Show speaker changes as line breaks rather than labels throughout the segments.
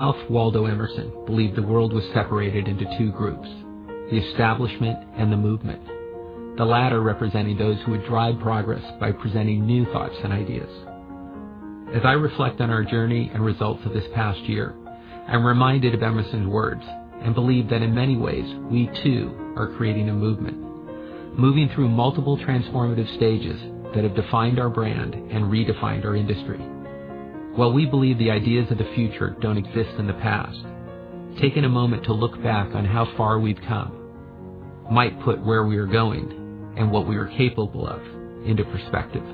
Ralph Waldo Emerson believed the world was separated into two groups, the establishment and the movement, the latter representing those who would drive progress by presenting new thoughts and ideas. As I reflect on our journey and results of this past year, I'm reminded of Emerson's words and believe that in many ways, we too are creating a movement. Moving through multiple transformative stages that have defined our brand and redefined our industry. While we believe the ideas of the future don't exist in the past, taking a moment to look back on how far we've come might put where we are going and what we are capable of into perspective.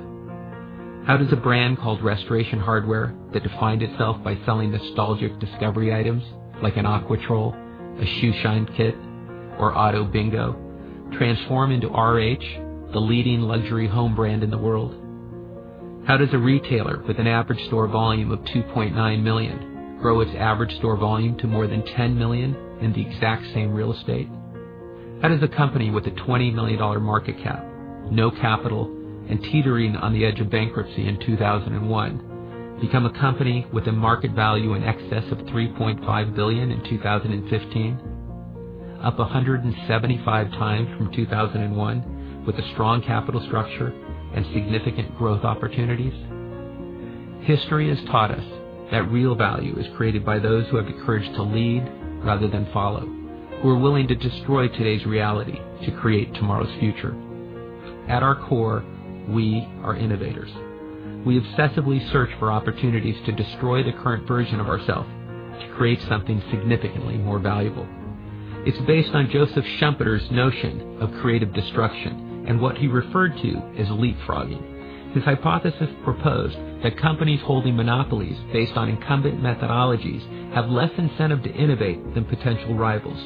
How does a brand called Restoration Hardware that defined itself by selling nostalgic discovery items like an Aqua Troll, a shoe shine kit, or auto bingo transform into RH, the leading luxury home brand in the world? How does a retailer with an average store volume of $2.9 million grow its average store volume to more than $10 million in the exact same real estate? How does a company with a $20 million market cap, no capital, and teetering on the edge of bankruptcy in 2001 become a company with a market value in excess of $3.5 billion in 2015, up 175 times from 2001 with a strong capital structure and significant growth opportunities? History has taught us that real value is created by those who have the courage to lead rather than follow, who are willing to destroy today's reality to create tomorrow's future. At our core, we are innovators. We obsessively search for opportunities to destroy the current version of ourself to create something significantly more valuable. It's based on Joseph Schumpeter's notion of creative destruction and what he referred to as leapfrogging. His hypothesis proposed that companies holding monopolies based on incumbent methodologies have less incentive to innovate than potential rivals.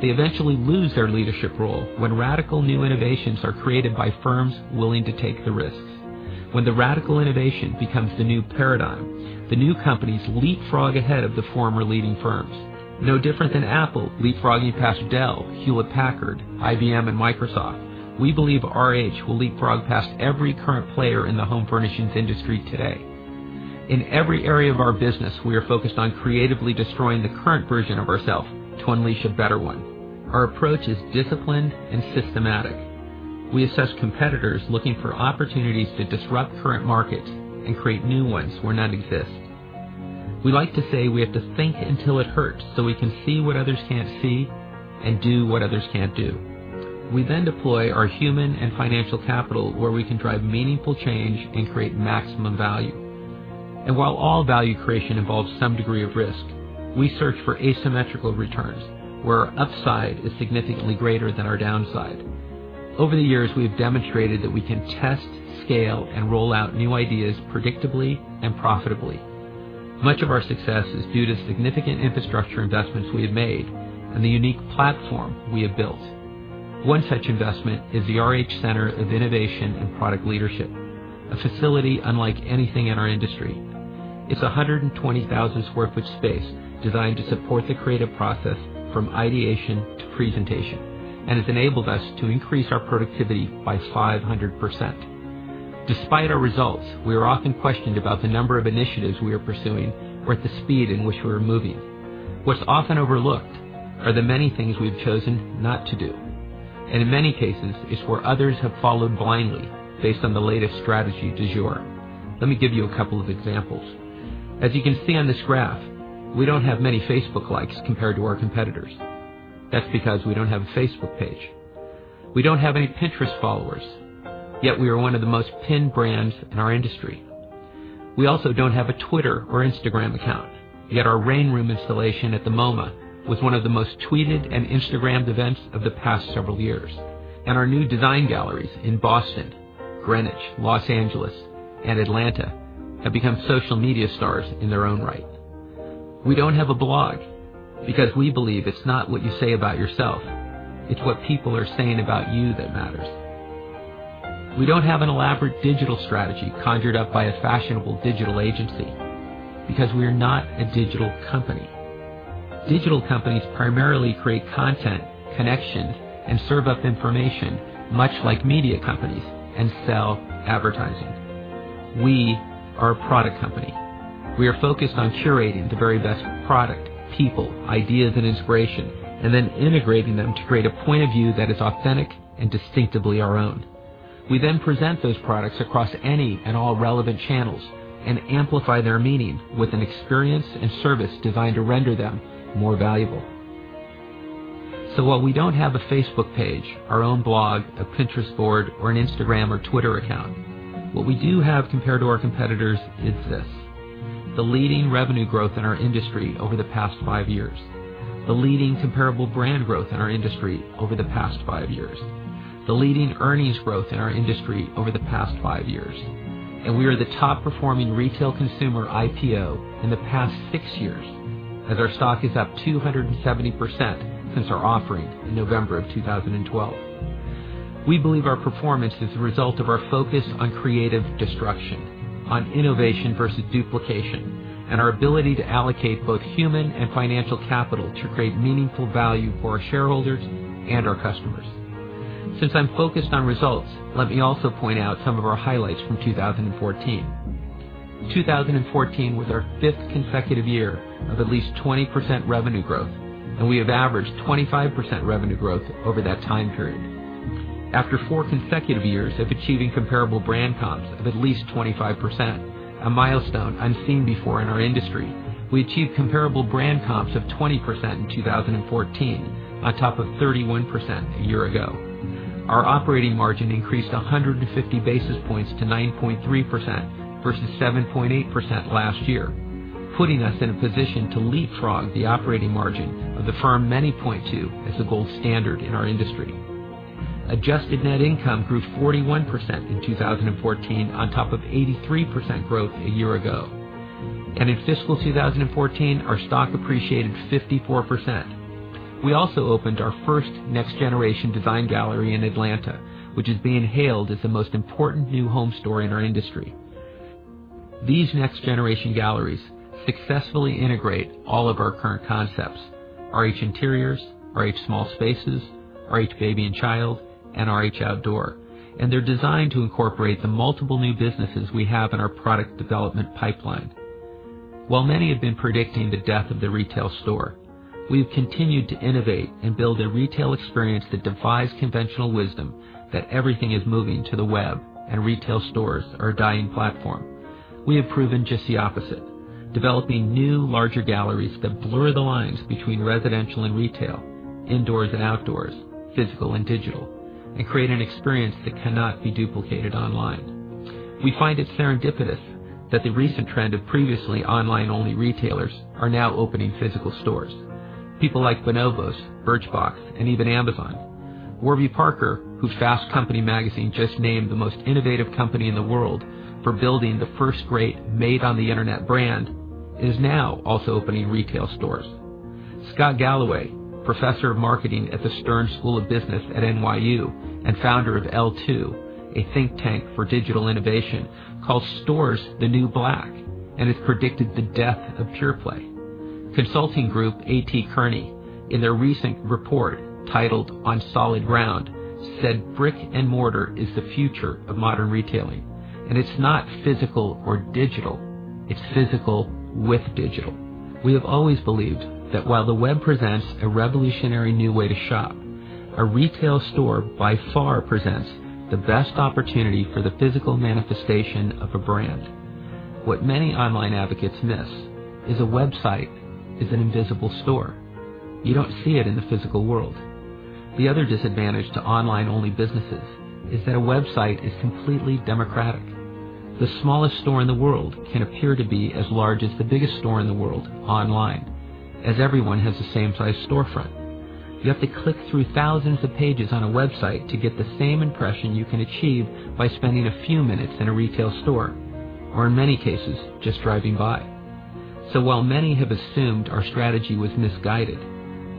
They eventually lose their leadership role when radical new innovations are created by firms willing to take the risks. When the radical innovation becomes the new paradigm, the new companies leapfrog ahead of the former leading firms. No different than Apple leapfrogging past Dell, Hewlett-Packard, IBM, and Microsoft, we believe RH will leapfrog past every current player in the home furnishings industry today. In every area of our business, we are focused on creatively destroying the current version of ourself to unleash a better one. Our approach is disciplined and systematic. We assess competitors looking for opportunities to disrupt current markets and create new ones where none exist. We like to say we have to think until it hurts so we can see what others can't see and do what others can't do. We then deploy our human and financial capital where we can drive meaningful change and create maximum value. While all value creation involves some degree of risk, we search for asymmetrical returns where our upside is significantly greater than our downside. Over the years, we have demonstrated that we can test, scale, and roll out new ideas predictably and profitably. Much of our success is due to significant infrastructure investments we have made and the unique platform we have built. One such investment is the RH Center of Innovation and Product Leadership, a facility unlike anything in our industry. It's 120,000 sq ft space designed to support the creative process from ideation to presentation, and has enabled us to increase our productivity by 500%. Despite our results, we are often questioned about the number of initiatives we are pursuing or the speed at which we are moving. What's often overlooked are the many things we've chosen not to do, and in many cases, it's where others have followed blindly based on the latest strategy du jour. Let me give you a couple of examples. As you can see on this graph, we don't have many Facebook likes compared to our competitors. That's because we don't have a Facebook page. We don't have any Pinterest followers, yet we are one of the most pinned brands in our industry. We also don't have a Twitter or Instagram account, yet our Rain Room installation at the MoMA was one of the most tweeted and Instagrammed events of the past several years. Our new design galleries in Boston, Greenwich, Los Angeles, and Atlanta have become social media stars in their own right. We don't have a blog because we believe it's not what you say about yourself, it's what people are saying about you that matters. We don't have an elaborate digital strategy conjured up by a fashionable digital agency because we are not a digital company. Digital companies primarily create content, connection, and serve up information much like media companies and sell advertising. We are a product company. We are focused on curating the very best product, people, ideas, and inspiration, and then integrating them to create a point of view that is authentic and distinctively our own. We present those products across any and all relevant channels and amplify their meaning with an experience and service designed to render them more valuable. While we don't have a Facebook page, our own blog, a Pinterest board, or an Instagram or Twitter account, what we do have compared to our competitors is this, the leading revenue growth in our industry over the past five years, the leading comparable brand growth in our industry over the past five years, the leading earnings growth in our industry over the past five years. We are the top-performing retail consumer IPO in the past six years, as our stock is up 270% since our offering in November of 2012. We believe our performance is a result of our focus on creative destruction, on innovation versus duplication, and our ability to allocate both human and financial capital to create meaningful value for our shareholders and our customers. Since I'm focused on results, let me also point out some of our highlights from 2014. 2014 was our fifth consecutive year of at least 20% revenue growth, and we have averaged 25% revenue growth over that time period. After four consecutive years of achieving comparable brand comps of at least 25%, a milestone unseen before in our industry, we achieved comparable brand comps of 20% in 2014, on top of 31% a year ago. Our operating margin increased 150 basis points to 9.3% versus 7.8% last year, putting us in a position to leapfrog the operating margin of the firm many point to as the gold standard in our industry. Adjusted net income grew 41% in 2014 on top of 83% growth a year ago. In fiscal 2014, our stock appreciated 54%. We also opened our first next-generation design gallery in Atlanta, which is being hailed as the most important new home store in our industry. These next-generation galleries successfully integrate all of our current concepts, RH Interiors, RH Small Spaces, RH Baby & Child, and RH Outdoor, and they're designed to incorporate the multiple new businesses we have in our product development pipeline. While many have been predicting the death of the retail store, we've continued to innovate and build a retail experience that defies conventional wisdom that everything is moving to the web and retail stores are a dying platform. We have proven just the opposite, developing new, larger galleries that blur the lines between residential and retail, indoors and outdoors, physical and digital, and create an experience that cannot be duplicated online. We find it serendipitous that the recent trend of previously online-only retailers are now opening physical stores. People like Bonobos, Birchbox, and even Amazon. Warby Parker, who Fast Company magazine just named the most innovative company in the world for building the first great made-on-the-internet brand, is now also opening retail stores. Scott Galloway, professor of marketing at the Stern School of Business at NYU and founder of L2, a think tank for digital innovation, calls stores the new black and has predicted the death of pure play. Consulting group A.T. Kearney, in their recent report titled The Solid Ground, said brick and mortar is the future of modern retailing, and it's not physical or digital, it's physical with digital. We have always believed that while the web presents a revolutionary new way to shop, a retail store by far presents the best opportunity for the physical manifestation of a brand. What many online advocates miss is a website is an invisible store. You don't see it in the physical world. The other disadvantage to online-only businesses is that a website is completely democratic. The smallest store in the world can appear to be as large as the biggest store in the world online, as everyone has the same size storefront. You have to click through thousands of pages on a website to get the same impression you can achieve by spending a few minutes in a retail store, or in many cases, just driving by. While many have assumed our strategy was misguided,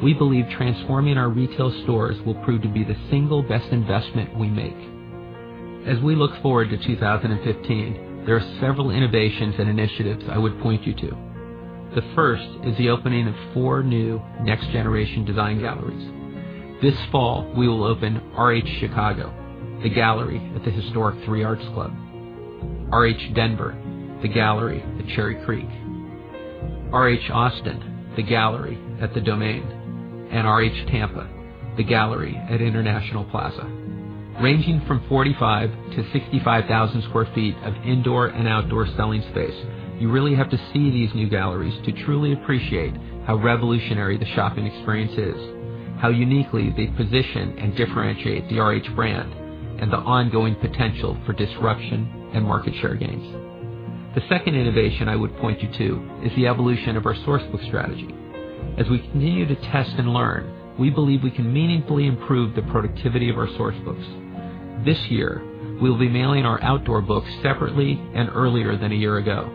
we believe transforming our retail stores will prove to be the single best investment we make. As we look forward to 2015, there are several innovations and initiatives I would point you to. The first is the opening of four new next-generation design galleries. This fall, we will open RH Chicago, the gallery at the historic Three Arts Club; RH Denver, the gallery at Cherry Creek; RH Austin, the gallery at The Domain; and RH Tampa, the gallery at International Plaza. Ranging from 45,000 to 65,000 square feet of indoor and outdoor selling space, you really have to see these new galleries to truly appreciate how revolutionary the shopping experience is, how uniquely they position and differentiate the RH brand, and the ongoing potential for disruption and market share gains. The second innovation I would point you to is the evolution of our source book strategy. As we continue to test and learn, we believe we can meaningfully improve the productivity of our source books. This year, we'll be mailing our outdoor books separately and earlier than a year ago.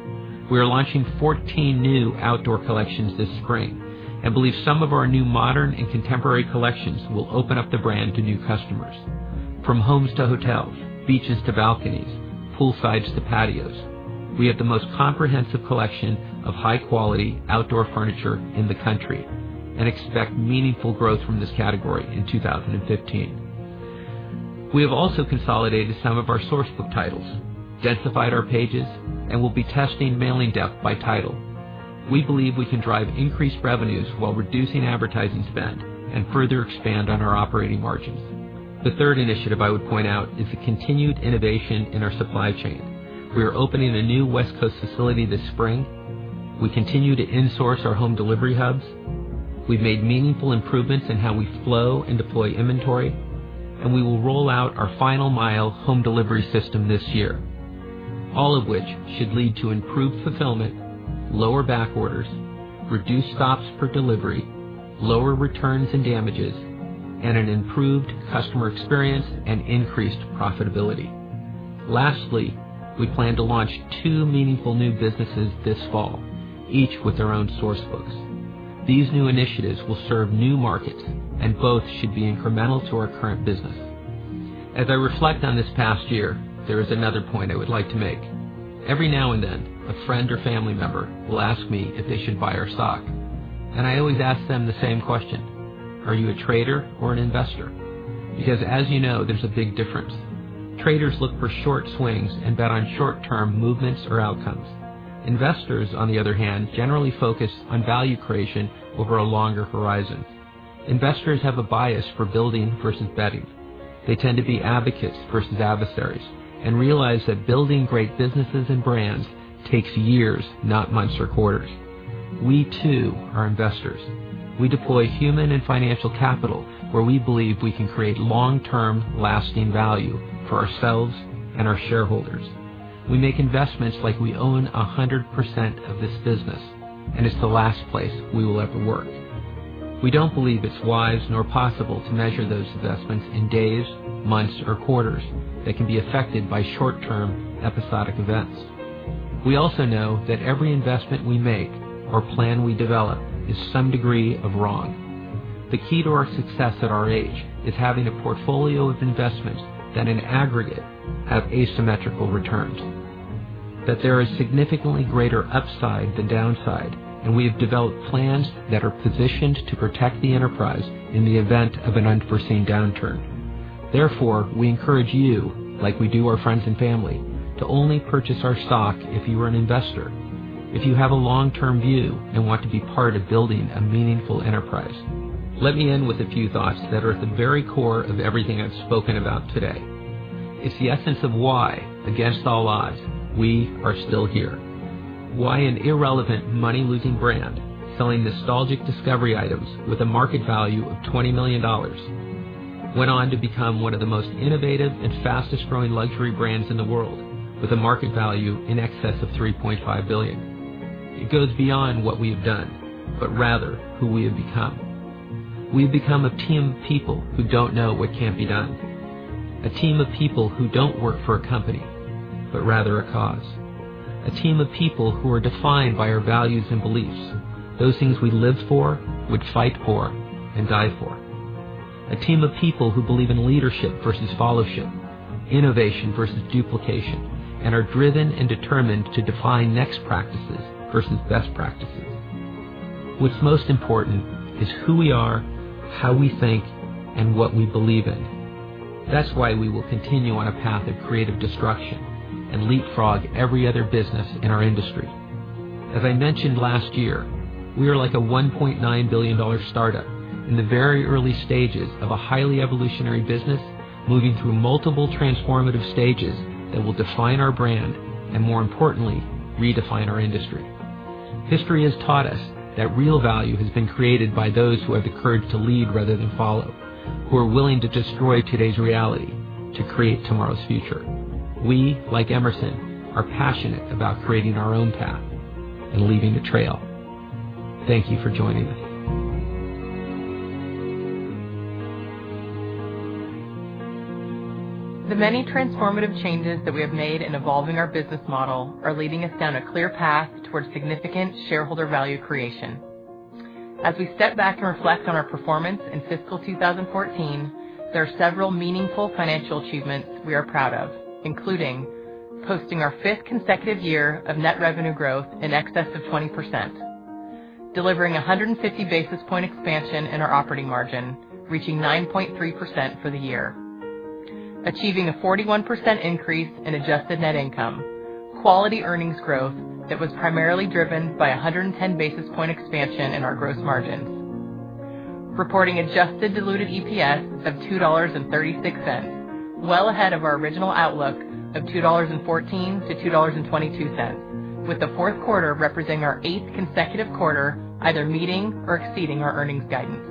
We are launching 14 new outdoor collections this spring and believe some of our new modern and contemporary collections will open up the brand to new customers. From homes to hotels, beaches to balconies, poolsides to patios, we have the most comprehensive collection of high-quality outdoor furniture in the country and expect meaningful growth from this category in 2015. We have also consolidated some of our source book titles, densified our pages, and will be testing mailing depth by title. We believe we can drive increased revenues while reducing advertising spend and further expand on our operating margins. The third initiative I would point out is the continued innovation in our supply chain. We are opening a new West Coast facility this spring. We continue to insource our home delivery hubs. We've made meaningful improvements in how we flow and deploy inventory. We will roll out our Final Mile home delivery system this year, all of which should lead to improved fulfillment, lower back orders, reduced stops per delivery, lower returns and damages, and an improved customer experience and increased profitability. Lastly, we plan to launch two meaningful new businesses this fall, each with their own source books. These new initiatives will serve new markets. Both should be incremental to our current business. As I reflect on this past year, there is another point I would like to make. Every now and then, a friend or family member will ask me if they should buy our stock. I always ask them the same question: Are you a trader or an investor? Because as you know, there's a big difference. Traders look for short swings and bet on short-term movements or outcomes. Investors, on the other hand, generally focus on value creation over a longer horizon. Investors have a bias for building versus betting. They tend to be advocates versus adversaries and realize that building great businesses and brands takes years, not months or quarters. We too are investors. We deploy human and financial capital where we believe we can create long-term, lasting value for ourselves and our shareholders. We make investments like we own 100% of this business, and it's the last place we will ever work. We don't believe it's wise nor possible to measure those investments in days, months, or quarters that can be affected by short-term episodic events. We also know that every investment we make or plan we develop is some degree of wrong. The key to our success at our age is having a portfolio of investments that in aggregate have asymmetrical returns, that there is significantly greater upside than downside. We have developed plans that are positioned to protect the enterprise in the event of an unforeseen downturn. Therefore, we encourage you, like we do our friends and family, to only purchase our stock if you are an investor, if you have a long-term view and want to be part of building a meaningful enterprise. Let me end with a few thoughts that are at the very core of everything I've spoken about today. It's the essence of why, against all odds, we are still here. Why an irrelevant money-losing brand selling nostalgic discovery items with a market value of $20 million went on to become one of the most innovative and fastest-growing luxury brands in the world with a market value in excess of $3.5 billion. It goes beyond what we have done, but rather who we have become. We've become a team of people who don't know what can't be done. A team of people who don't work for a company, but rather a cause. A team of people who are defined by our values and beliefs, those things we live for, would fight for, and die for. A team of people who believe in leadership versus followership, innovation versus duplication, and are driven and determined to define next practices versus best practices. What's most important is who we are, how we think, and what we believe in. That's why we will continue on a path of creative destruction and leapfrog every other business in our industry. As I mentioned last year, we are like a $1.9 billion startup in the very early stages of a highly evolutionary business, moving through multiple transformative stages that will define our brand and, more importantly, redefine our industry. History has taught us that real value has been created by those who have the courage to lead rather than follow, who are willing to destroy today's reality to create tomorrow's future. We, like Emerson, are passionate about creating our own path and leaving a trail. Thank you for joining us.
The many transformative changes that we have made in evolving our business model are leading us down a clear path towards significant shareholder value creation. As we step back and reflect on our performance in fiscal 2014, there are several meaningful financial achievements we are proud of, including posting our fifth consecutive year of net revenue growth in excess of 20%, delivering 150 basis point expansion in our operating margin, reaching 9.3% for the year, achieving a 41% increase in adjusted net income, quality earnings growth that was primarily driven by 110 basis point expansion in our gross margins, reporting adjusted diluted EPS of $2.36, well ahead of our original outlook of $2.14-$2.22, with the fourth quarter representing our eighth consecutive quarter, either meeting or exceeding our earnings guidance,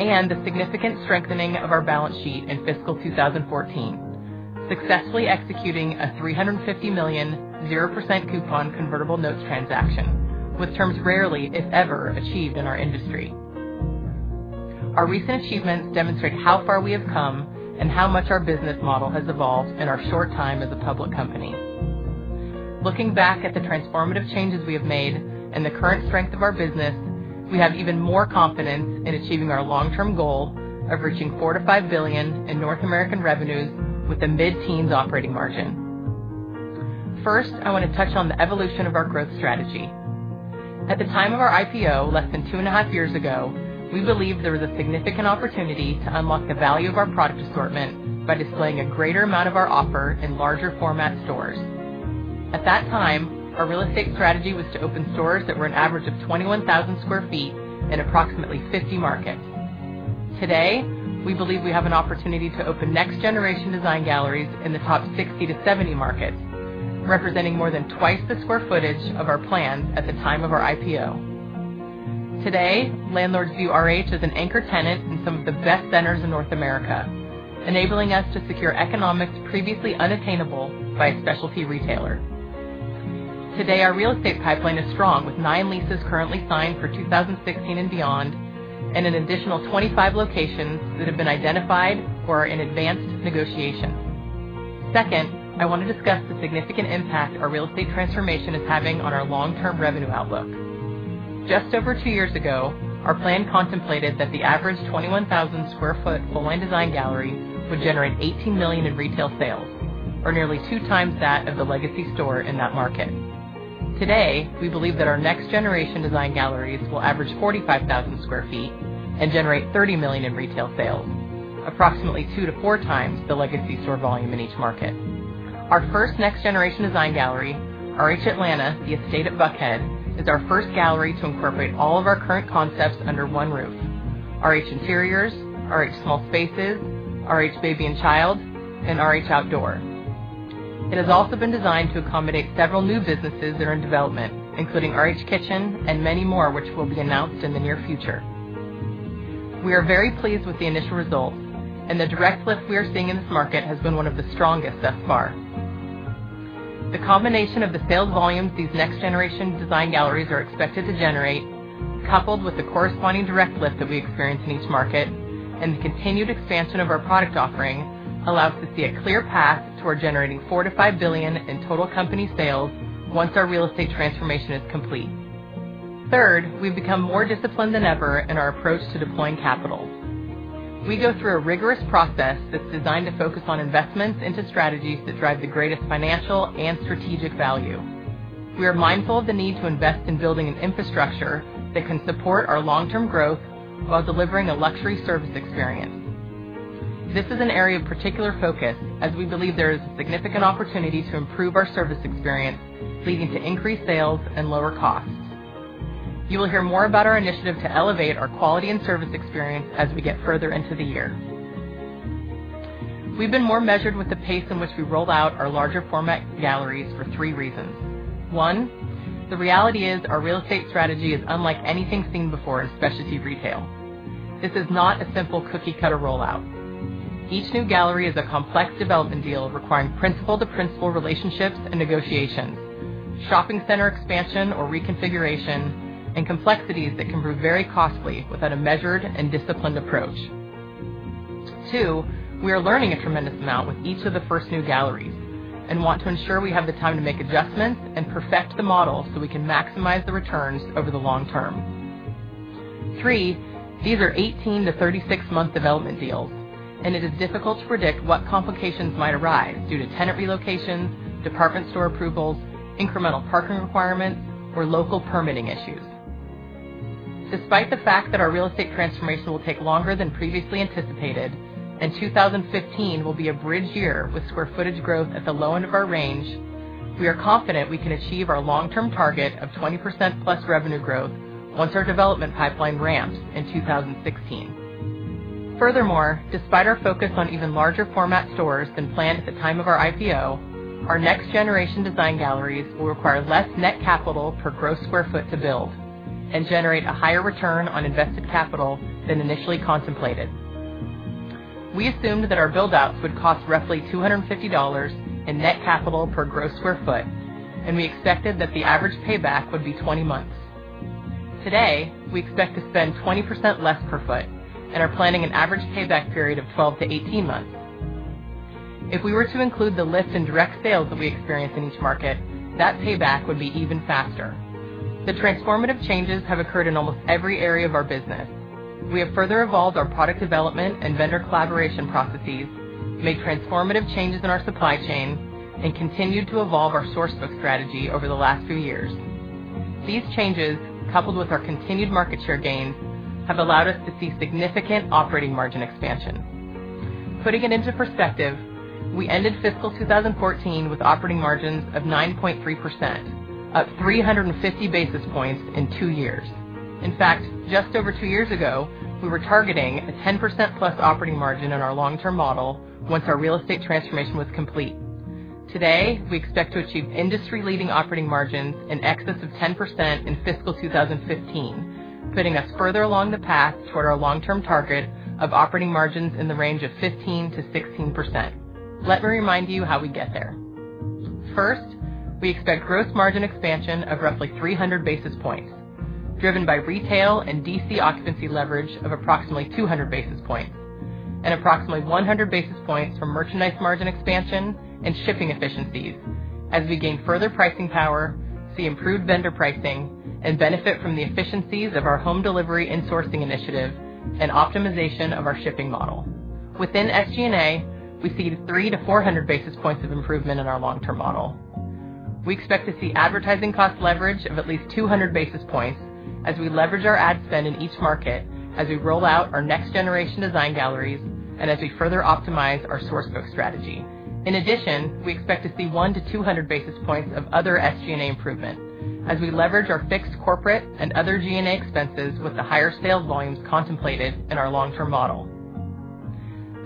and the significant strengthening of our balance sheet in fiscal 2014, successfully executing a $350 million 0% coupon convertible notes transaction with terms rarely, if ever, achieved in our industry. Our recent achievements demonstrate how far we have come and how much our business model has evolved in our short time as a public company. Looking back at the transformative changes we have made and the current strength of our business, we have even more confidence in achieving our long-term goal of reaching $4 billion-$5 billion in North American revenues with a mid-teens operating margin. First, I want to touch on the evolution of our growth strategy. At the time of our IPO, less than two and a half years ago, we believed there was a significant opportunity to unlock the value of our product assortment by displaying a greater amount of our offer in larger format stores. At that time, our real estate strategy was to open stores that were an average of 21,000 sq ft in approximately 50 markets. Today, we believe we have an opportunity to open next-generation design galleries in the top 60-70 markets, representing more than twice the square footage of our plans at the time of our IPO. Today, landlords view RH as an anchor tenant in some of the best centers in North America, enabling us to secure economics previously unattainable by a specialty retailer. Today, our real estate pipeline is strong, with nine leases currently signed for 2016 and beyond, and an additional 25 locations that have been identified or are in advanced negotiations. Second, I want to discuss the significant impact our real estate transformation is having on our long-term revenue outlook. Just over two years ago, our plan contemplated that the average 21,000 sq ft full-line design gallery would generate $18 million in retail sales, or nearly two times that of the legacy store in that market. Today, we believe that our next-generation design galleries will average 45,000 sq ft and generate $30 million in retail sales, approximately 2-4 times the legacy store volume in each market. Our first next-generation design gallery, RH Atlanta, The Estate at Buckhead, is our first gallery to incorporate all of our current concepts under one roof: RH Interiors, RH Small Spaces, RH Baby & Child, and RH Outdoor. It has also been designed to accommodate several new businesses that are in development, including RH Kitchen and many more, which will be announced in the near future. We are very pleased with the initial results, and the direct lift we are seeing in this market has been one of the strongest thus far. The combination of the sales volumes these next-generation design galleries are expected to generate, coupled with the corresponding direct lift that we experience in each market, and the continued expansion of our product offering, allows us to see a clear path toward generating $4 billion-$5 billion in total company sales once our real estate transformation is complete. Third, we've become more disciplined than ever in our approach to deploying capital. We go through a rigorous process that's designed to focus on investments into strategies that drive the greatest financial and strategic value. We are mindful of the need to invest in building an infrastructure that can support our long-term growth while delivering a luxury service experience. This is an area of particular focus as we believe there is significant opportunity to improve our service experience, leading to increased sales and lower costs. You will hear more about our initiative to elevate our quality and service experience as we get further into the year. We've been more measured with the pace in which we roll out our larger format galleries for three reasons. One, the reality is our real estate strategy is unlike anything seen before in specialty retail. This is not a simple cookie-cutter rollout. Each new gallery is a complex development deal requiring principal-to-principal relationships and negotiations, shopping center expansion or reconfiguration, and complexities that can prove very costly without a measured and disciplined approach. Two, we are learning a tremendous amount with each of the first new galleries and want to ensure we have the time to make adjustments and perfect the model so we can maximize the returns over the long term. Three, these are 18-36-month development deals, it is difficult to predict what complications might arise due to tenant relocations, department store approvals, incremental parking requirements, or local permitting issues. Despite the fact that our real estate transformation will take longer than previously anticipated and 2015 will be a bridge year with square footage growth at the low end of our range, we are confident we can achieve our long-term target of 20%+ revenue growth once our development pipeline ramps in 2016. Furthermore, despite our focus on even larger format stores than planned at the time of our IPO, our next-generation design galleries will require less net capital per gross square foot to build and generate a higher return on invested capital than initially contemplated. We assumed that our build-outs would cost roughly $250 in net capital per gross square foot, we expected that the average payback would be 20 months. Today, we expect to spend 20% less per foot and are planning an average payback period of 12-18 months. If we were to include the lift in direct sales that we experience in each market, that payback would be even faster. The transformative changes have occurred in almost every area of our business. We have further evolved our product development and vendor collaboration processes, made transformative changes in our supply chain, continued to evolve our source book strategy over the last few years. These changes, coupled with our continued market share gains, have allowed us to see significant operating margin expansion. Putting it into perspective, we ended fiscal 2014 with operating margins of 9.3%, up 350 basis points in two years. In fact, just over two years ago, we were targeting a 10%+ operating margin in our long-term model once our real estate transformation was complete. Today, we expect to achieve industry-leading operating margins in excess of 10% in fiscal 2015, putting us further along the path toward our long-term target of operating margins in the range of 15%-16%. Let me remind you how we get there. First, we expect gross margin expansion of roughly 300 basis points, driven by retail and DC occupancy leverage of approximately 200 basis points and approximately 100 basis points from merchandise margin expansion and shipping efficiencies as we gain further pricing power, see improved vendor pricing, and benefit from the efficiencies of our home delivery and sourcing initiative and optimization of our shipping model. Within SG&A, we see 300-400 basis points of improvement in our long-term model. We expect to see advertising cost leverage of at least 200 basis points as we leverage our ad spend in each market, as we roll out our next-generation design galleries, and as we further optimize our source book strategy. We expect to see 100-200 basis points of other SG&A improvement as we leverage our fixed corporate and other G&A expenses with the higher sales volumes contemplated in our long-term model.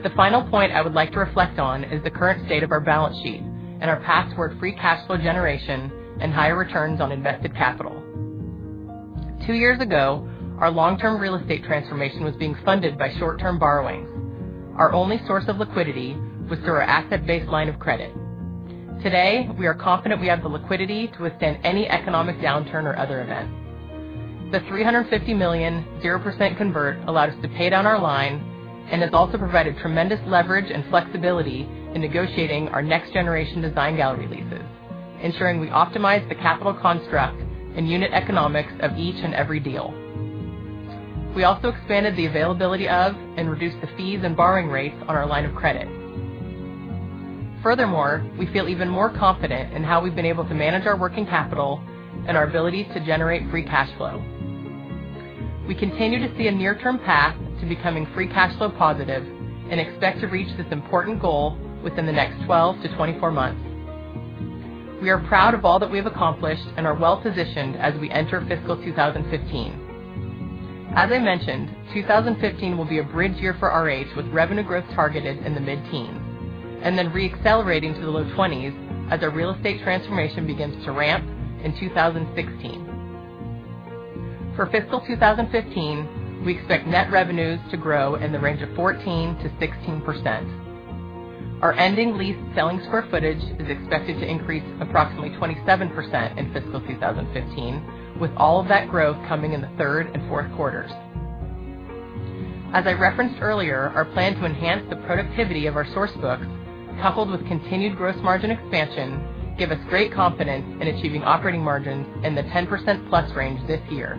The final point I would like to reflect on is the current state of our balance sheet and our path toward free cash flow generation and higher returns on invested capital. Two years ago, our long-term real estate transformation was being funded by short-term borrowings. Our only source of liquidity was through our asset-based line of credit. Today, we are confident we have the liquidity to withstand any economic downturn or other event. The $350 million, 0% convert allowed us to pay down our line and has also provided tremendous leverage and flexibility in negotiating our next-generation design gallery leases, ensuring we optimize the capital construct and unit economics of each and every deal. We also expanded the availability of and reduced the fees and borrowing rates on our line of credit. We feel even more confident in how we've been able to manage our working capital and our abilities to generate free cash flow. We continue to see a near-term path to becoming free cash flow positive and expect to reach this important goal within the next 12-24 months. We are proud of all that we have accomplished and are well-positioned as we enter fiscal 2015. As I mentioned, 2015 will be a bridge year for RH with revenue growth targeted in the mid-teens, re-accelerating to the low 20s as our real estate transformation begins to ramp in 2016. For fiscal 2015, we expect net revenues to grow in the range of 14%-16%. Our ending lease selling square footage is expected to increase approximately 27% in fiscal 2015, with all of that growth coming in the third and fourth quarters. As I referenced earlier, our plan to enhance the productivity of our source books, coupled with continued gross margin expansion, give us great confidence in achieving operating margins in the 10%+ range this year.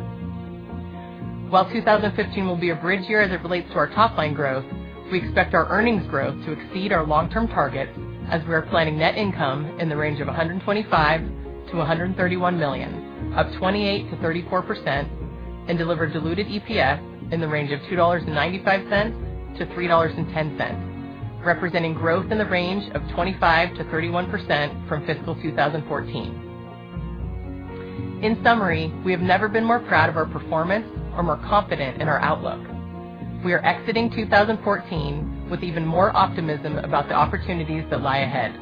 While 2015 will be a bridge year as it relates to our top-line growth, we expect our earnings growth to exceed our long-term targets as we are planning net income in the range of $125 million-$131 million, up 28%-34%, and deliver diluted EPS in the range of $2.95-$3.10, representing growth in the range of 25%-31% from fiscal 2014. We have never been more proud of our performance or more confident in our outlook. We are exiting 2014 with even more optimism about the opportunities that lie ahead.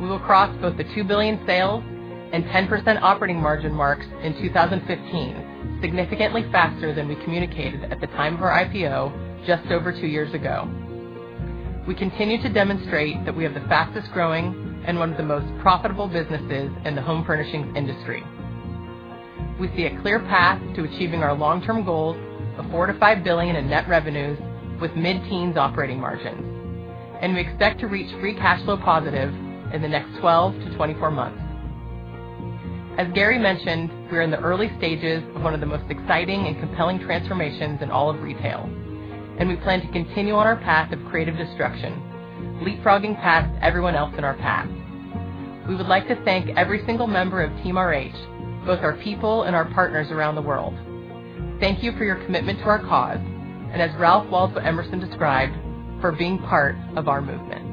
We will cross both the $2 billion sales and 10% operating margin marks in 2015, significantly faster than we communicated at the time of our IPO just over two years ago. We continue to demonstrate that we have the fastest-growing and one of the most profitable businesses in the home furnishings industry. We see a clear path to achieving our long-term goals of $4 billion-$5 billion in net revenues with mid-teens operating margins, and we expect to reach free cash flow positive in the next 12-24 months. As Gary mentioned, we are in the early stages of one of the most exciting and compelling transformations in all of retail, and we plan to continue on our path of creative destruction, leapfrogging past everyone else in our path. We would like to thank every single member of Team RH, both our people and our partners around the world. Thank you for your commitment to our cause, and as Ralph Waldo Emerson described, for being part of our movement.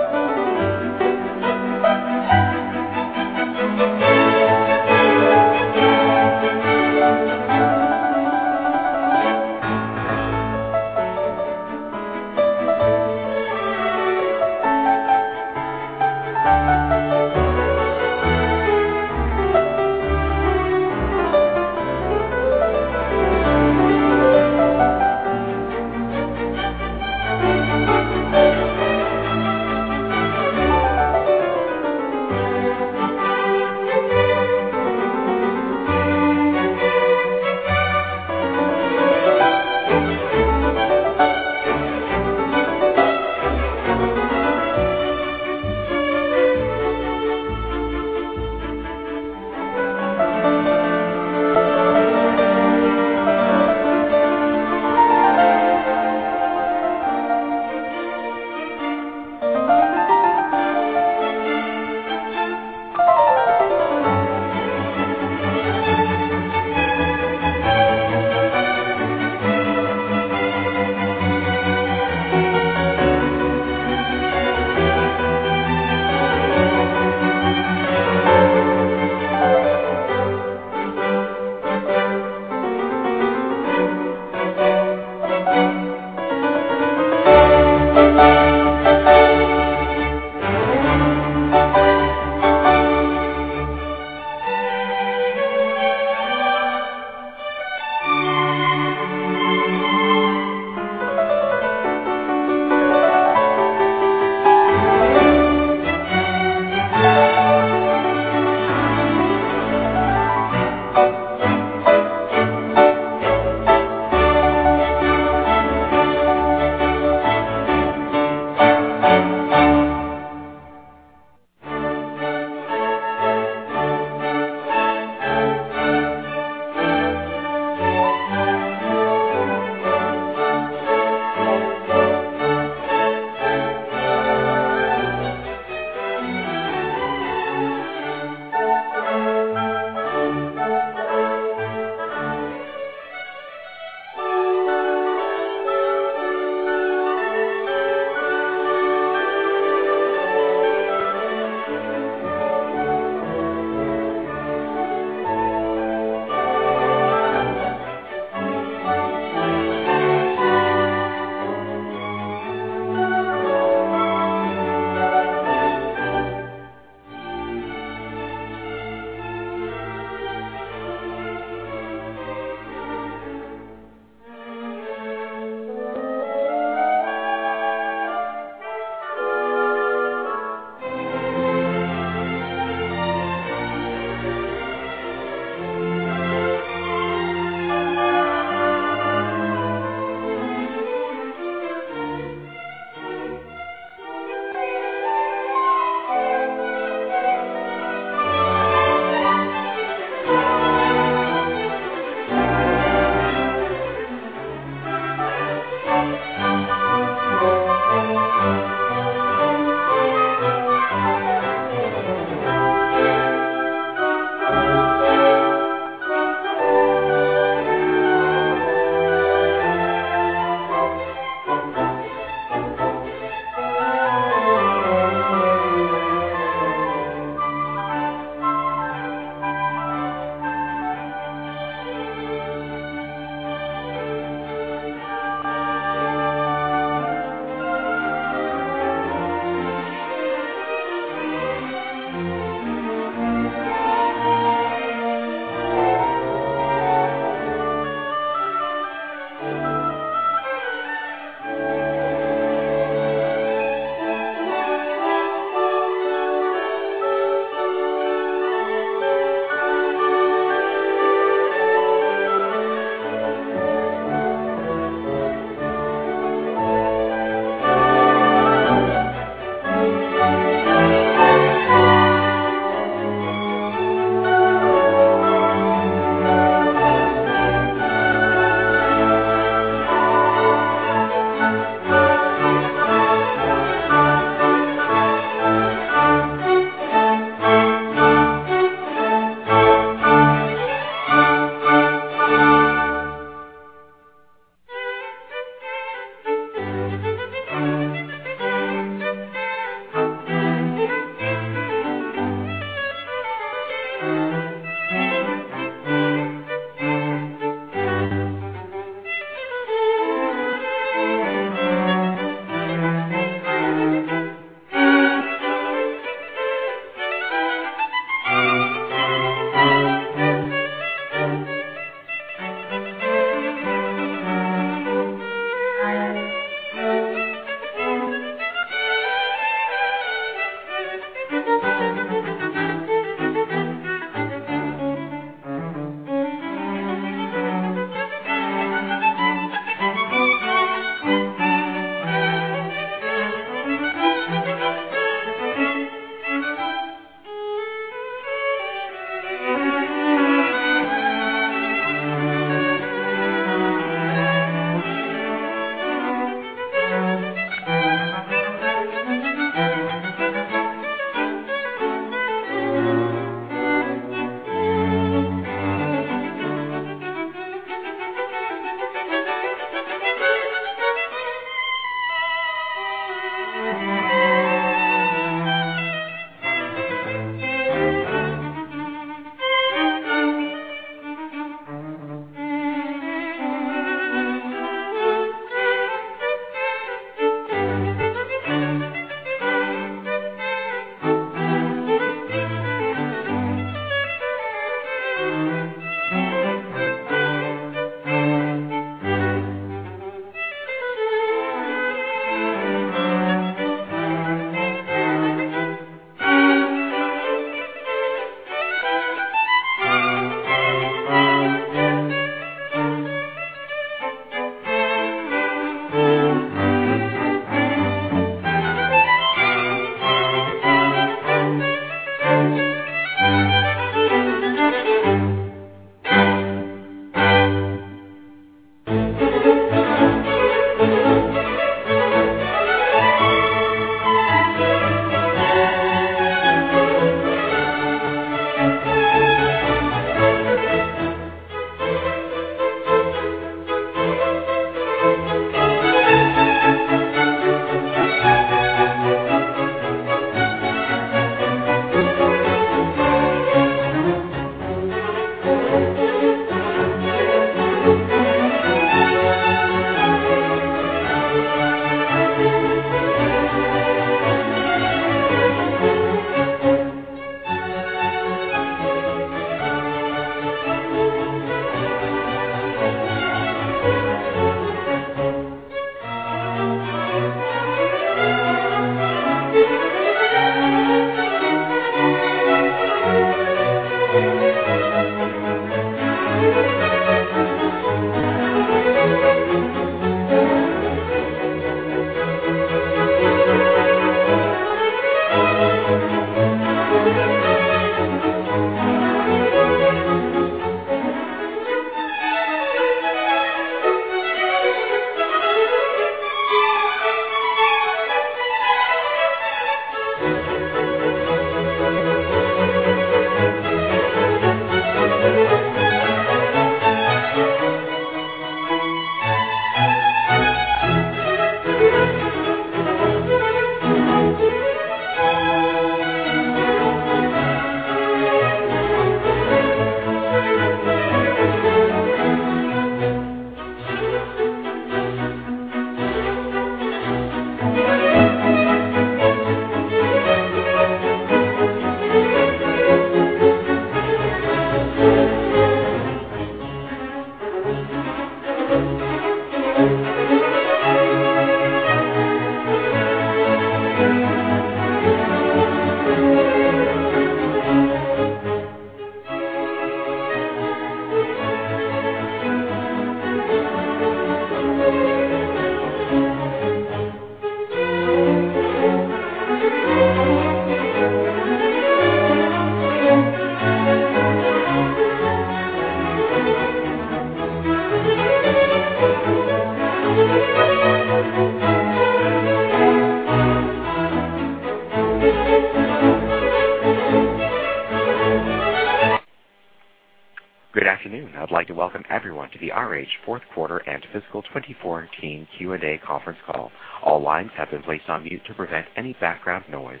Good afternoon. I'd like to welcome everyone to the RH fourth quarter and fiscal 2014 Q&A conference call. All lines have been placed on mute to prevent any background noise.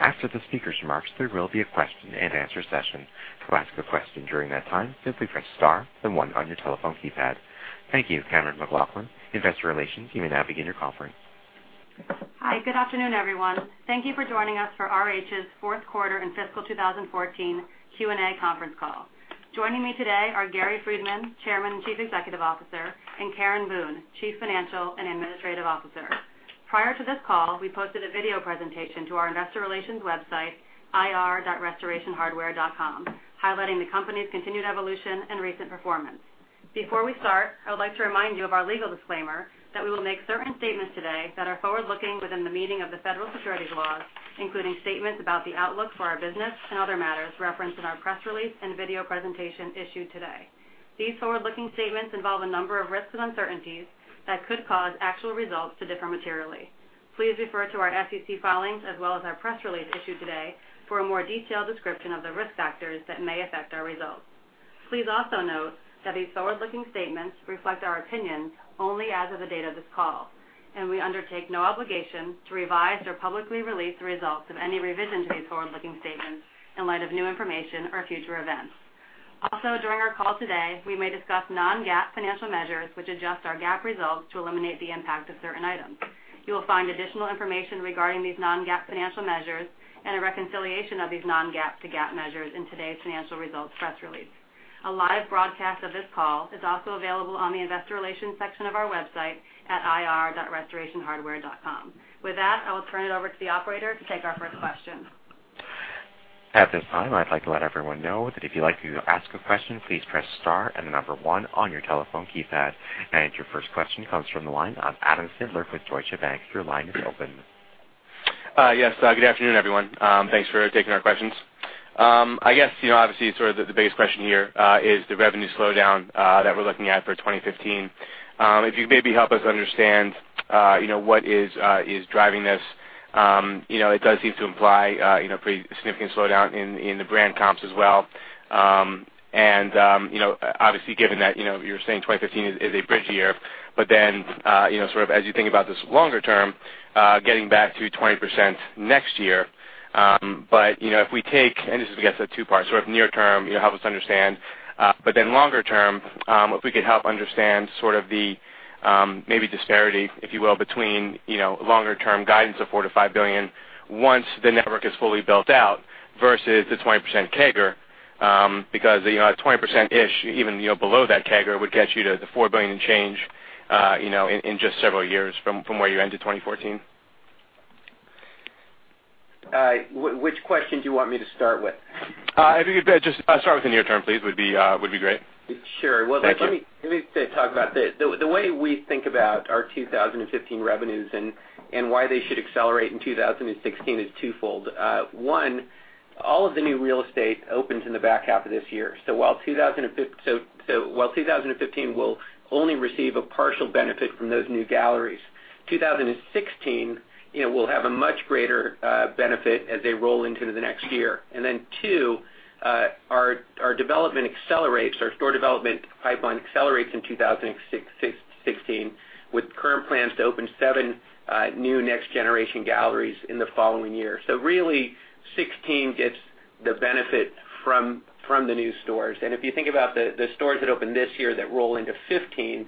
After the speaker's remarks, there will be a question-and-answer session. To ask a question during that time, simply press star then one on your telephone keypad. Thank you, Cammeron McLaughlin, Investor Relations. You may now begin your conference.
Hi. Good afternoon, everyone. Thank you for joining us for RH's fourth quarter and fiscal 2014 Q&A conference call. Joining me today are Gary Friedman, Chairman and Chief Executive Officer, and Karen Boone, Chief Financial and Administrative Officer. Prior to this call, we posted a video presentation to our investor relations website, ir.rh.com, highlighting the company's continued evolution and recent performance. Before we start, I would like to remind you of our legal disclaimer that we will make certain statements today that are forward-looking within the meaning of the federal securities laws, including statements about the outlook for our business and other matters referenced in our press release and video presentation issued today. These forward-looking statements involve a number of risks and uncertainties that could cause actual results to differ materially. Please refer to our SEC filings as well as our press release issued today for a more detailed description of the risk factors that may affect our results. Please also note that these forward-looking statements reflect our opinion only as of the date of this call, and we undertake no obligation to revise or publicly release the results of any revision to these forward-looking statements in light of new information or future events. Also, during our call today, we may discuss non-GAAP financial measures, which adjust our GAAP results to eliminate the impact of certain items. You will find additional information regarding these non-GAAP financial measures and a reconciliation of these non-GAAP to GAAP measures in today's financial results press release. A live broadcast of this call is also available on the investor relations section of our website at ir.rh.com. With that, I will turn it over to the operator to take our first question.
At this time, I'd like to let everyone know that if you'd like to ask a question, please press star and the number 1 on your telephone keypad. Your first question comes from the line of Adam Sider with Deutsche Bank. Your line is open.
Yes. Good afternoon, everyone. Thanks for taking our questions. I guess, obviously, sort of the biggest question here is the revenue slowdown that we're looking at for 2015. If you could maybe help us understand, what is driving this? It does seem to imply a pretty significant slowdown in the brand comps as well. Obviously given that, you're saying 2015 is a bridge year, but then, sort of as you think about this longer term, getting back to 20% next year. If we take, and this is, I guess, a two-part, sort of near term, help us understand, but then longer term, if we could help understand sort of the maybe disparity, if you will, between longer-term guidance of $4 billion-$5 billion once the network is fully built out versus the 20% CAGR. A 20%-ish, even below that CAGR, would get you to the $4 billion change in just several years from where you ended 2014.
Which question do you want me to start with?
If you could just start with the near term, please, would be great.
Sure.
Thank you.
Well, let me talk about this. The way we think about our 2015 revenues and why they should accelerate in 2016 is twofold. One, all of the new real estate opens in the back half of this year. While 2015 will only receive a partial benefit from those new galleries, 2016 will have a much greater benefit as they roll into the next year. Two, our development accelerates. Our store development pipeline accelerates in 2016, with current plans to open seven new next-generation galleries in the following year. Really, 2016 gets the benefit from the new stores. If you think about the stores that opened this year that roll into 2015,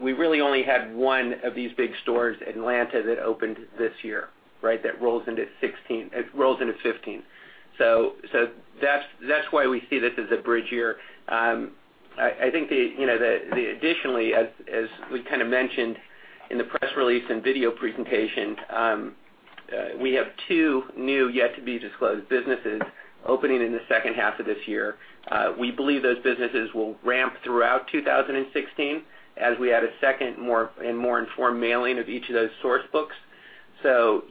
we really only had one of these big stores, Atlanta, that opened this year, that rolls into 2015. That's why we see this as a bridge year. I think, additionally, as we kind of mentioned in the press release and video presentation, we have two new yet-to-be-disclosed businesses opening in the second half of this year. We believe those businesses will ramp throughout 2016 as we add a second and more informed mailing of each of those source books.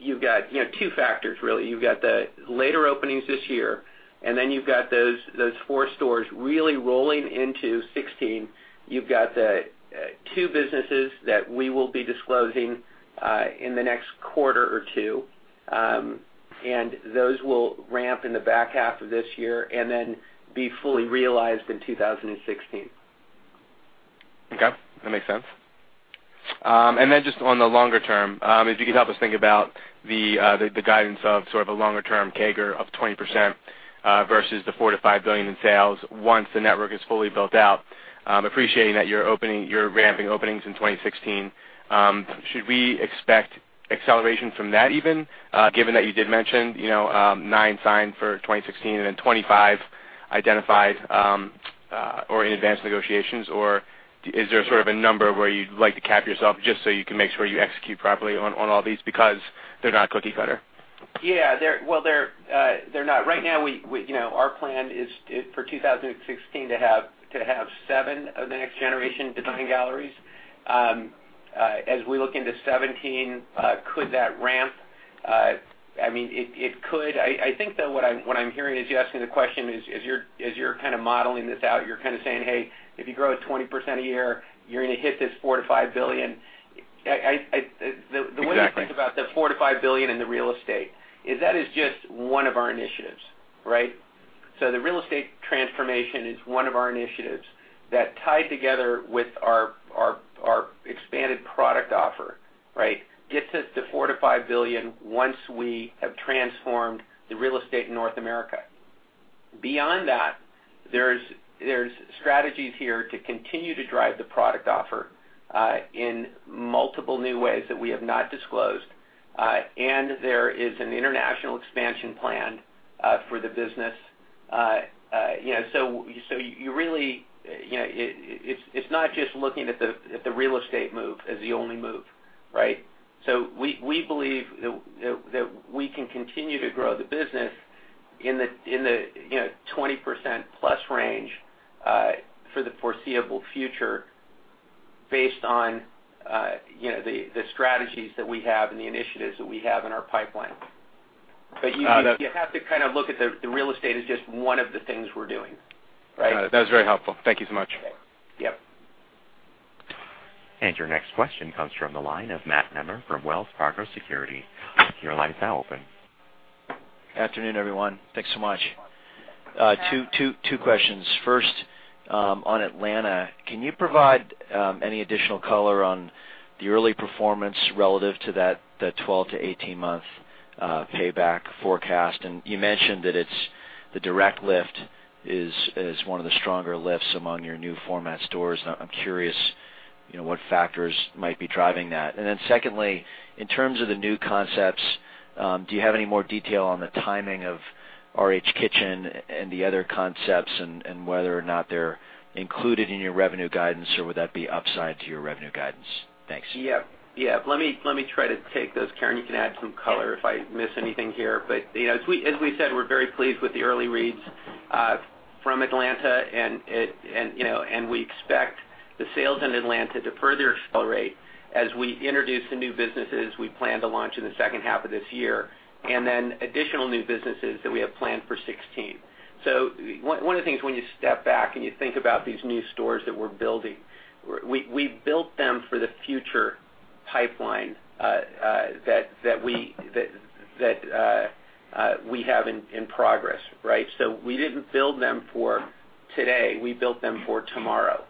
You've got two factors, really. You've got the later openings this year, you've got those four stores really rolling into 2016. You've got the two businesses that we will be disclosing in the next quarter or two. Those will ramp in the back half of this year and then be fully realized in 2016.
Okay. That makes sense. Just on the longer term, if you could help us think about the guidance of sort of a longer-term CAGR of 20% versus the $4 billion to $5 billion in sales once the network is fully built out. Appreciating that you're ramping openings in 2016, should we expect acceleration from that even, given that you did mention nine signed for 2016 and then 25 identified or in advanced negotiations? Or is there sort of a number where you'd like to cap yourself just so you can make sure you execute properly on all these because they're not cookie-cutter?
Yeah. Well, they're not. Right now, our plan is for 2016 to have seven of the next-generation design galleries. As we look into 2017, could that ramp? It could. I think that what I'm hearing is you asking the question is, as you're kind of modeling this out, you're kind of saying, "Hey, if you grow at 20% a year, you're going to hit this $4 billion to $5 billion." The way-
Exactly
To think about the $4 billion to $5 billion in the real estate is that is just one of our initiatives. The real estate transformation is one of our initiatives that tied together with our expanded product offer. Gets us to $4 billion to $5 billion once we have transformed the real estate in North America. Beyond that, there's strategies here to continue to drive the product offer in multiple new ways that we have not disclosed. There is an international expansion plan for the business. It's not just looking at the real estate move as the only move, right? We believe that we can continue to grow the business in the 20%+ range for the foreseeable future based on the strategies that we have and the initiatives that we have in our pipeline. You have to look at the real estate as just one of the things we're doing. Right?
Got it. That was very helpful. Thank you so much.
Yep.
Your next question comes from the line of Matt Nemer from Wells Fargo Securities. Your line is now open.
Afternoon, everyone. Thanks so much. Two questions. First, on Atlanta, can you provide any additional color on the early performance relative to that 12-18 month payback forecast? You mentioned that the direct lift is one of the stronger lifts among your new format stores, and I'm curious what factors might be driving that. Secondly, in terms of the new concepts, do you have any more detail on the timing of RH Kitchen and the other concepts and whether or not they're included in your revenue guidance or would that be upside to your revenue guidance? Thanks.
Yeah. Let me try to take those. Karen, you can add some color if I miss anything here. As we said, we're very pleased with the early reads from Atlanta and we expect the sales in Atlanta to further accelerate as we introduce the new businesses we plan to launch in the second half of this year, additional new businesses that we have planned for 2016. One of the things when you step back and you think about these new stores that we're building, we built them for the future pipeline that we have in progress, right? We didn't build them for today. We built them for tomorrow.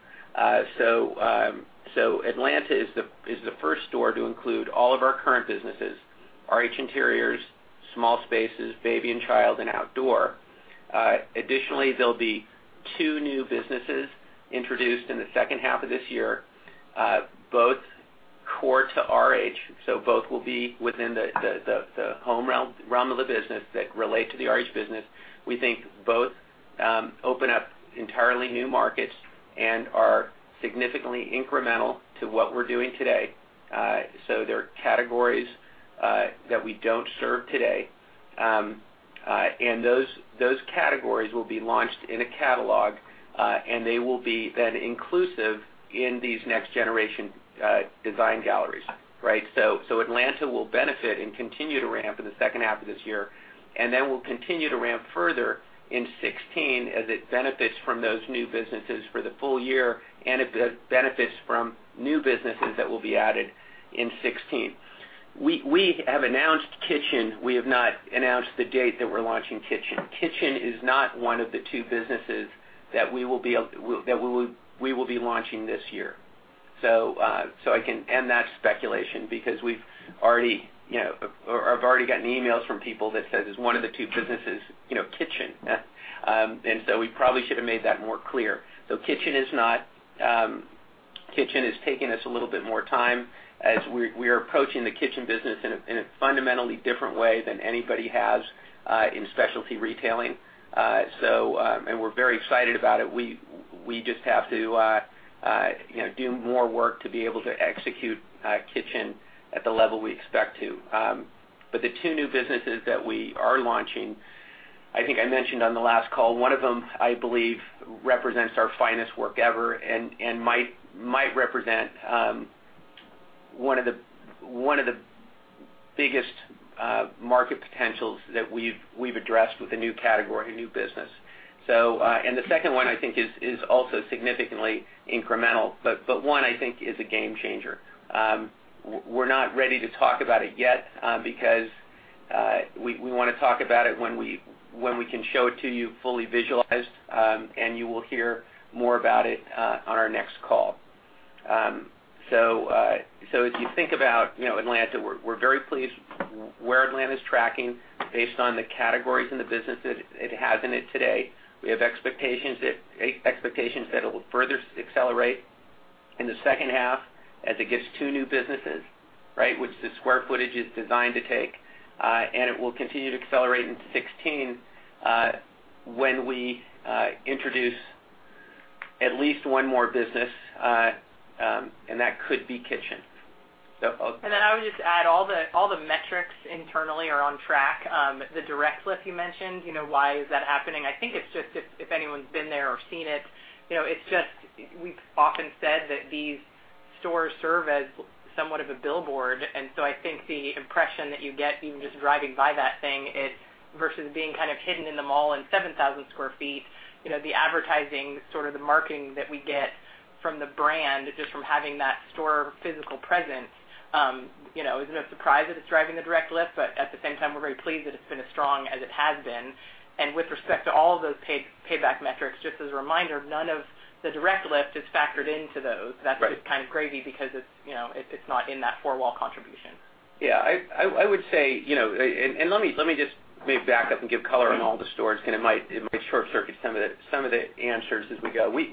Atlanta is the first store to include all of our current businesses, RH Interiors, Small Spaces, RH Baby & Child, and Outdoor. There'll be two new businesses introduced in the second half of this year, both core to RH, both will be within the home realm of the business that relate to the RH business. We think both open up entirely new markets and are significantly incremental to what we're doing today. They're categories that we don't serve today. Those categories will be launched in a catalog, and they will be then inclusive in these next-generation design galleries. Right? Atlanta will benefit and continue to ramp in the second half of this year, then will continue to ramp further in 2016 as it benefits from those new businesses for the full year and it benefits from new businesses that will be added in 2016. We have announced RH Kitchen. We have not announced the date that we're launching RH Kitchen. RH Kitchen is not one of the two businesses that we will be launching this year. I can end that speculation because I've already gotten emails from people that says, "Is one of the two businesses RH Kitchen?" We probably should have made that more clear. RH Kitchen is taking us a little bit more time as we're approaching the kitchen business in a fundamentally different way than anybody has in specialty retailing. We're very excited about it. We just have to do more work to be able to execute RH Kitchen at the level we expect to. The two new businesses that we are launching, I think I mentioned on the last call, one of them, I believe, represents our finest work ever and might represent one of the biggest market potentials that we've addressed with a new category, a new business. The second one I think is also significantly incremental. One, I think, is a game changer. We're not ready to talk about it yet because we want to talk about it when we can show it to you fully visualized, and you will hear more about it on our next call. As you think about Atlanta, we're very pleased where Atlanta is tracking based on the categories and the businesses it has in it today. We have expectations that it will further accelerate in the second half as it gets two new businesses, right, which the square footage is designed to take. It will continue to accelerate into 2016 when we introduce at least one more business, and that could be Kitchen.
I would just add, all the metrics internally are on track. The direct lift you mentioned, why is that happening? I think it's just if anyone's been there or seen it, we've often said that these stores serve as somewhat of a billboard. I think the impression that you get even just driving by that thing versus being hidden in the mall in 7,000 sq ft, the advertising, sort of the marketing that we get from the brand, just from having that store physical presence isn't a surprise that it's driving the direct lift. At the same time, we're very pleased that it's been as strong as it has been. With respect to all of those payback metrics, just as a reminder, none of the direct lift is factored into those.
Right.
That's just kind of gravy because it's not in that four-wall contribution.
Let me just maybe back up and give color on all the stores, it might short-circuit some of the answers as we go. We've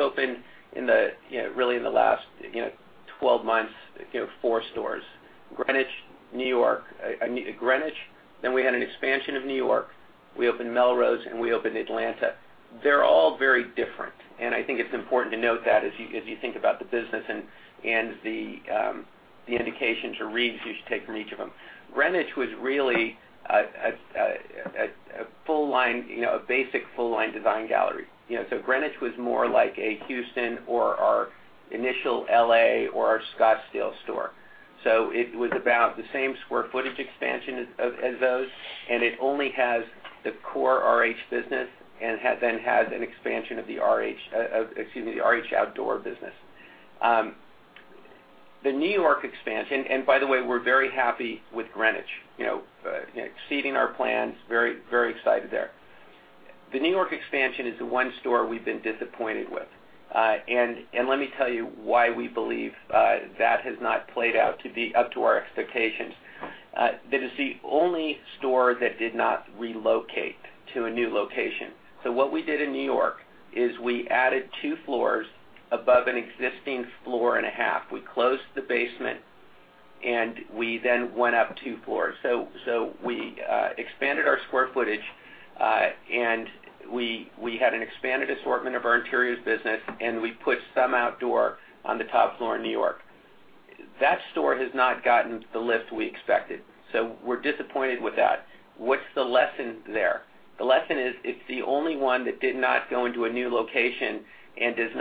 opened, really in the last 12 months, four stores. Greenwich, New York. Greenwich, then we had an expansion of New York. We opened Melrose, we opened Atlanta. They're all very different, I think it's important to note that as you think about the business and the indications or reads you should take from each of them. Greenwich was really a basic full-line design gallery. Greenwich was more like a Houston or our initial L.A. or our Scottsdale store. It was about the same square footage expansion as those, it only has the core RH business and then has an expansion of the RH Outdoor business. By the way, we're very happy with Greenwich. Exceeding our plans. Very excited there. The New York expansion is the one store we've been disappointed with. Let me tell you why we believe that has not played out to be up to our expectations. That is the only store that did not relocate to a new location. What we did in New York is we added 2 floors above an existing floor and a half. We closed the basement, we then went up 2 floors. We expanded our square footage, we had an expanded assortment of our Interiors business, and we put some Outdoor on the top floor in New York. That store has not gotten the lift we expected. We're disappointed with that. What's the lesson there? The lesson is it's the only one that did not go into a new location, and there's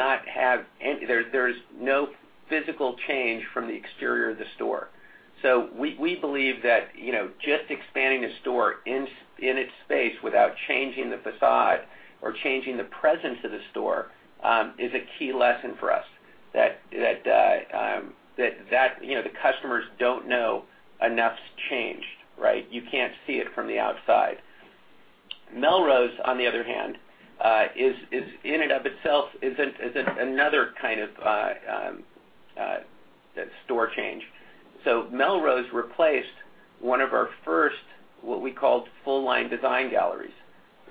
no physical change from the exterior of the store. We believe that just expanding a store in its space without changing the facade or changing the presence of the store, is a key lesson for us. The customers don't know enough's changed. You can't see it from the outside. Melrose, on the other hand, in and of itself, is another kind of store change. Melrose replaced one of our first, what we called full-line design galleries.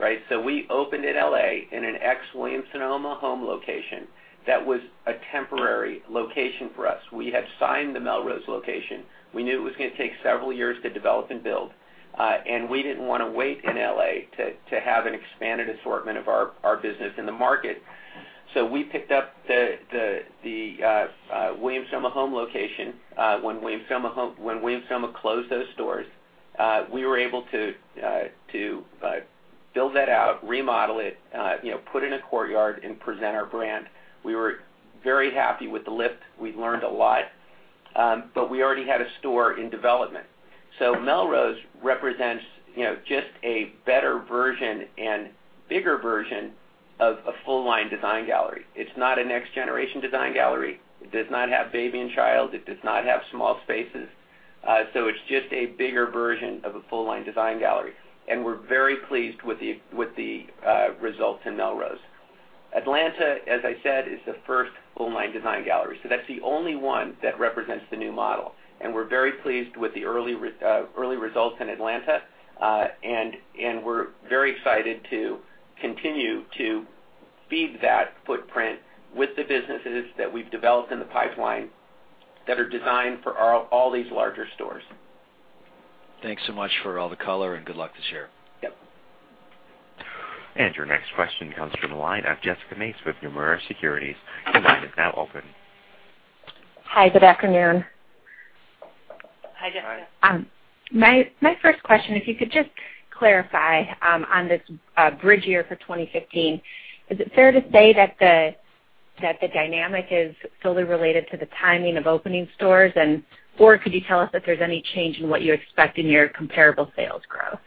We opened in L.A. in an ex-Williams-Sonoma Home location that was a temporary location for us. We had signed the Melrose location. We knew it was going to take several years to develop and build. We didn't want to wait in L.A. to have an expanded assortment of our business in the market. We picked up the Williams-Sonoma Home location. When Williams-Sonoma closed those stores, we were able to build that out, remodel it, put in a courtyard and present our brand. We were very happy with the lift. We learned a lot. We already had a store in development. Melrose represents just a better version and bigger version of a full-line design gallery. It's not a next-generation design gallery. It does not have RH Baby & Child. It does not have RH Small Spaces. It's just a bigger version of a full-line design gallery, and we're very pleased with the results in Melrose. Atlanta, as I said, is the first full-line design gallery. That's the only one that represents the new model, and we're very pleased with the early results in Atlanta. We're very excited to continue to feed that footprint with the businesses that we've developed in the pipeline that are designed for all these larger stores.
Thanks so much for all the color, good luck this year.
Yep.
Your next question comes from the line of Jessica Mace with Nomura Securities. Your line is now open.
Hi, good afternoon.
Hi, Jessica.
My first question, if you could just clarify on this bridge year for 2015, is it fair to say that the dynamic is solely related to the timing of opening stores? Or could you tell us if there's any change in what you expect in your comparable sales growth?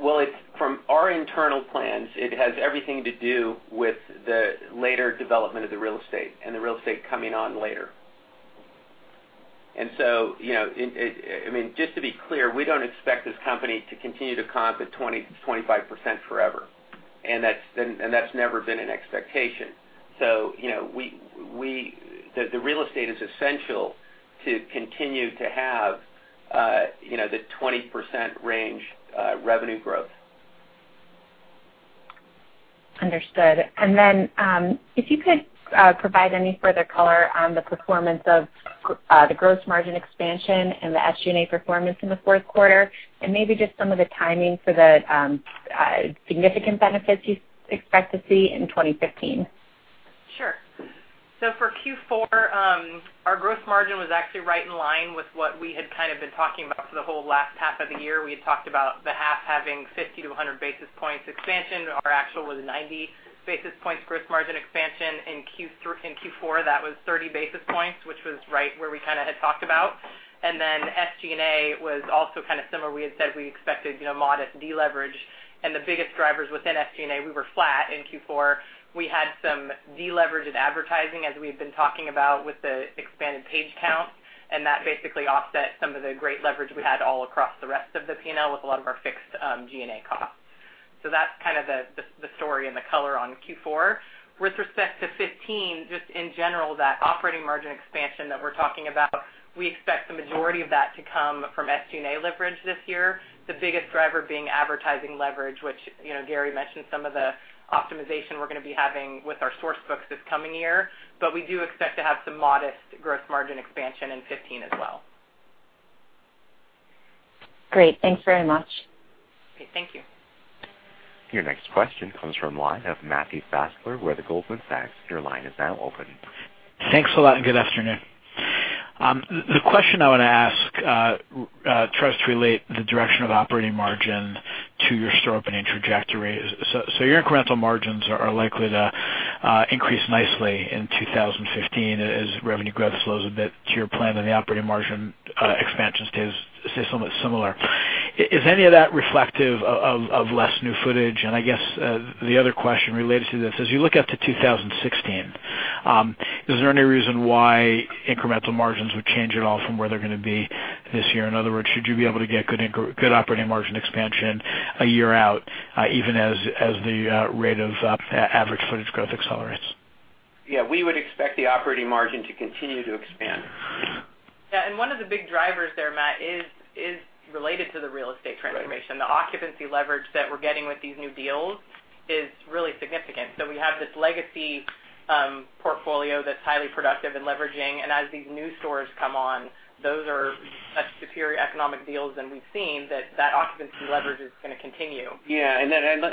Well, from our internal plans, it has everything to do with the later development of the real estate and the real estate coming on later. Just to be clear, we don't expect this company to continue to comp at 20, 25% forever. That's never been an expectation. The real estate is essential to continue to have the 20% range revenue growth.
Understood. If you could provide any further color on the performance of the gross margin expansion and the SG&A performance in the fourth quarter, and maybe just some of the timing for the significant benefits you expect to see in 2015.
Sure. For Q4, our gross margin was actually right in line with what we had been talking about for the whole last half of the year. We had talked about the half having 50-100 basis points expansion. Our actual was 90 basis points gross margin expansion. In Q4, that was 30 basis points, which was right where we had talked about. SG&A was also similar. We had said we expected modest deleverage. The biggest drivers within SG&A, we were flat in Q4. We had some deleverage in advertising, as we had been talking about with the expanded page count, and that basically offset some of the great leverage we had all across the rest of the P&L with a lot of our fixed G&A costs.
That's kind of the story and the color on Q4. With respect to 2015, just in general, that operating margin expansion that we're talking about, we expect the majority of that to come from SG&A leverage this year, the biggest driver being advertising leverage, which Gary mentioned some of the optimization we're going to be having with our source books this coming year. We do expect to have some modest gross margin expansion in 2015 as well.
Great. Thanks very much.
Okay, thank you.
Your next question comes from the line of Matthew Fassler with Goldman Sachs. Your line is now open.
Thanks a lot, and good afternoon. The question I want to ask tries to relate the direction of operating margin to your store opening trajectory. Your incremental margins are likely to increase nicely in 2015 as revenue growth slows a bit to your plan and the operating margin expansion stays somewhat similar. Is any of that reflective of less new footage? I guess the other question related to this, as you look out to 2016, is there any reason why incremental margins would change at all from where they're going to be this year? In other words, should you be able to get good operating margin expansion a year out, even as the rate of average footage growth accelerates?
Yeah. We would expect the operating margin to continue to expand.
Yeah. One of the big drivers there, Matt, is related to the real estate transformation.
Right.
The occupancy leverage that we're getting with these new deals is really significant. We have this legacy portfolio that's highly productive and leveraging. As these new stores come on, those are much superior economic deals than we've seen, that occupancy leverage is going to continue.
Yeah.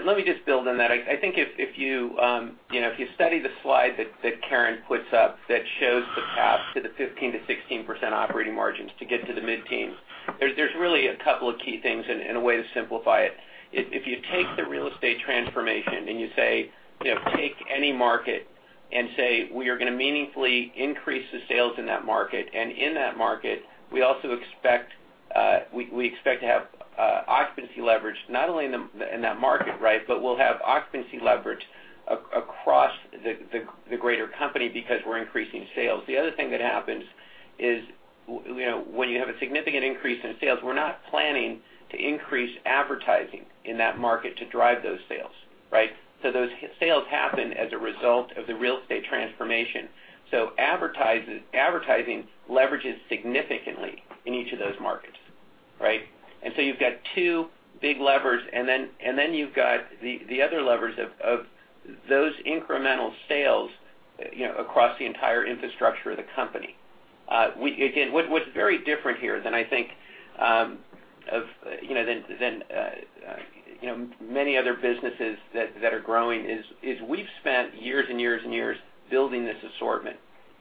Let me just build on that. I think if you study the slide that Karen puts up that shows the path to the 15%-16% operating margins to get to the mid-teens, there's really a couple of key things and a way to simplify it. If you take the real estate transformation and you say, take any market and say, we are going to meaningfully increase the sales in that market, and in that market, we also expect to have occupancy leverage, not only in that market, but we'll have occupancy leverage across the greater company because we're increasing sales. The other thing that happens is when you have a significant increase in sales, we're not planning to increase advertising in that market to drive those sales. Right? Those sales happen as a result of the real estate transformation. Advertising leverages significantly in each of those markets. Right? You've got two big levers, and then you've got the other levers of those incremental sales across the entire infrastructure of the company. Again, what's very different here than I think of than many other businesses that are growing is we've spent years and years and years building this assortment.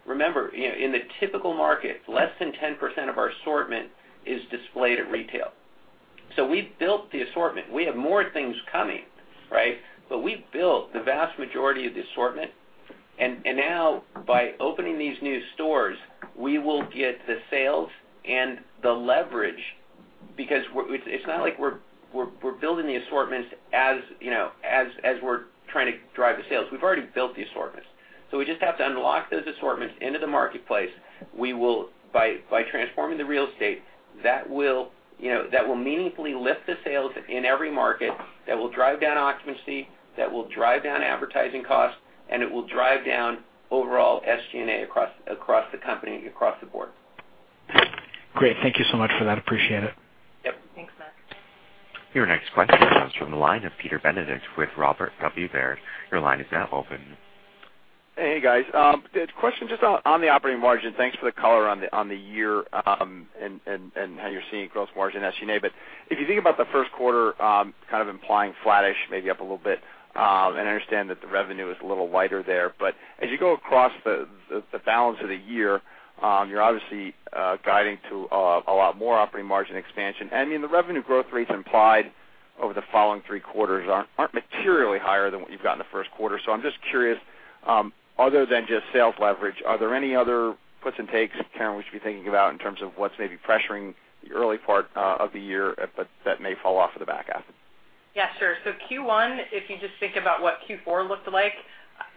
Remember, in the typical market, less than 10% of our assortment is displayed at retail. We've built the assortment. We have more things coming. We've built the vast majority of the assortment. Now by opening these new stores, we will get the sales and the leverage because it's not like we're building the assortments as we're trying to drive the sales. We've already built the assortments. We just have to unlock those assortments into the marketplace. By transforming the real estate, that will meaningfully lift the sales in every market, that will drive down occupancy, that will drive down advertising costs, and it will drive down overall SG&A across the company, across the board.
Great. Thank you so much for that. Appreciate it.
Yep.
Thanks, Matt.
Your next question comes from the line of Peter Benedict with Robert W. Baird. Your line is now open.
Hey, guys. Question just on the operating margin. Thanks for the color on the year and how you're seeing gross margin SG&A. If you think about the first quarter, kind of implying flat-ish, maybe up a little bit, I understand that the revenue is a little lighter there, as you go across the balance of the year, you're obviously guiding to a lot more operating margin expansion. The revenue growth rates implied over the following three quarters aren't materially higher than what you've got in the first quarter. I'm just curious, other than just sales leverage, are there any other puts and takes, Karen, we should be thinking about in terms of what's maybe pressuring the early part of the year but that may fall off of the back half?
Yeah, sure. Q1, if you just think about what Q4 looked like,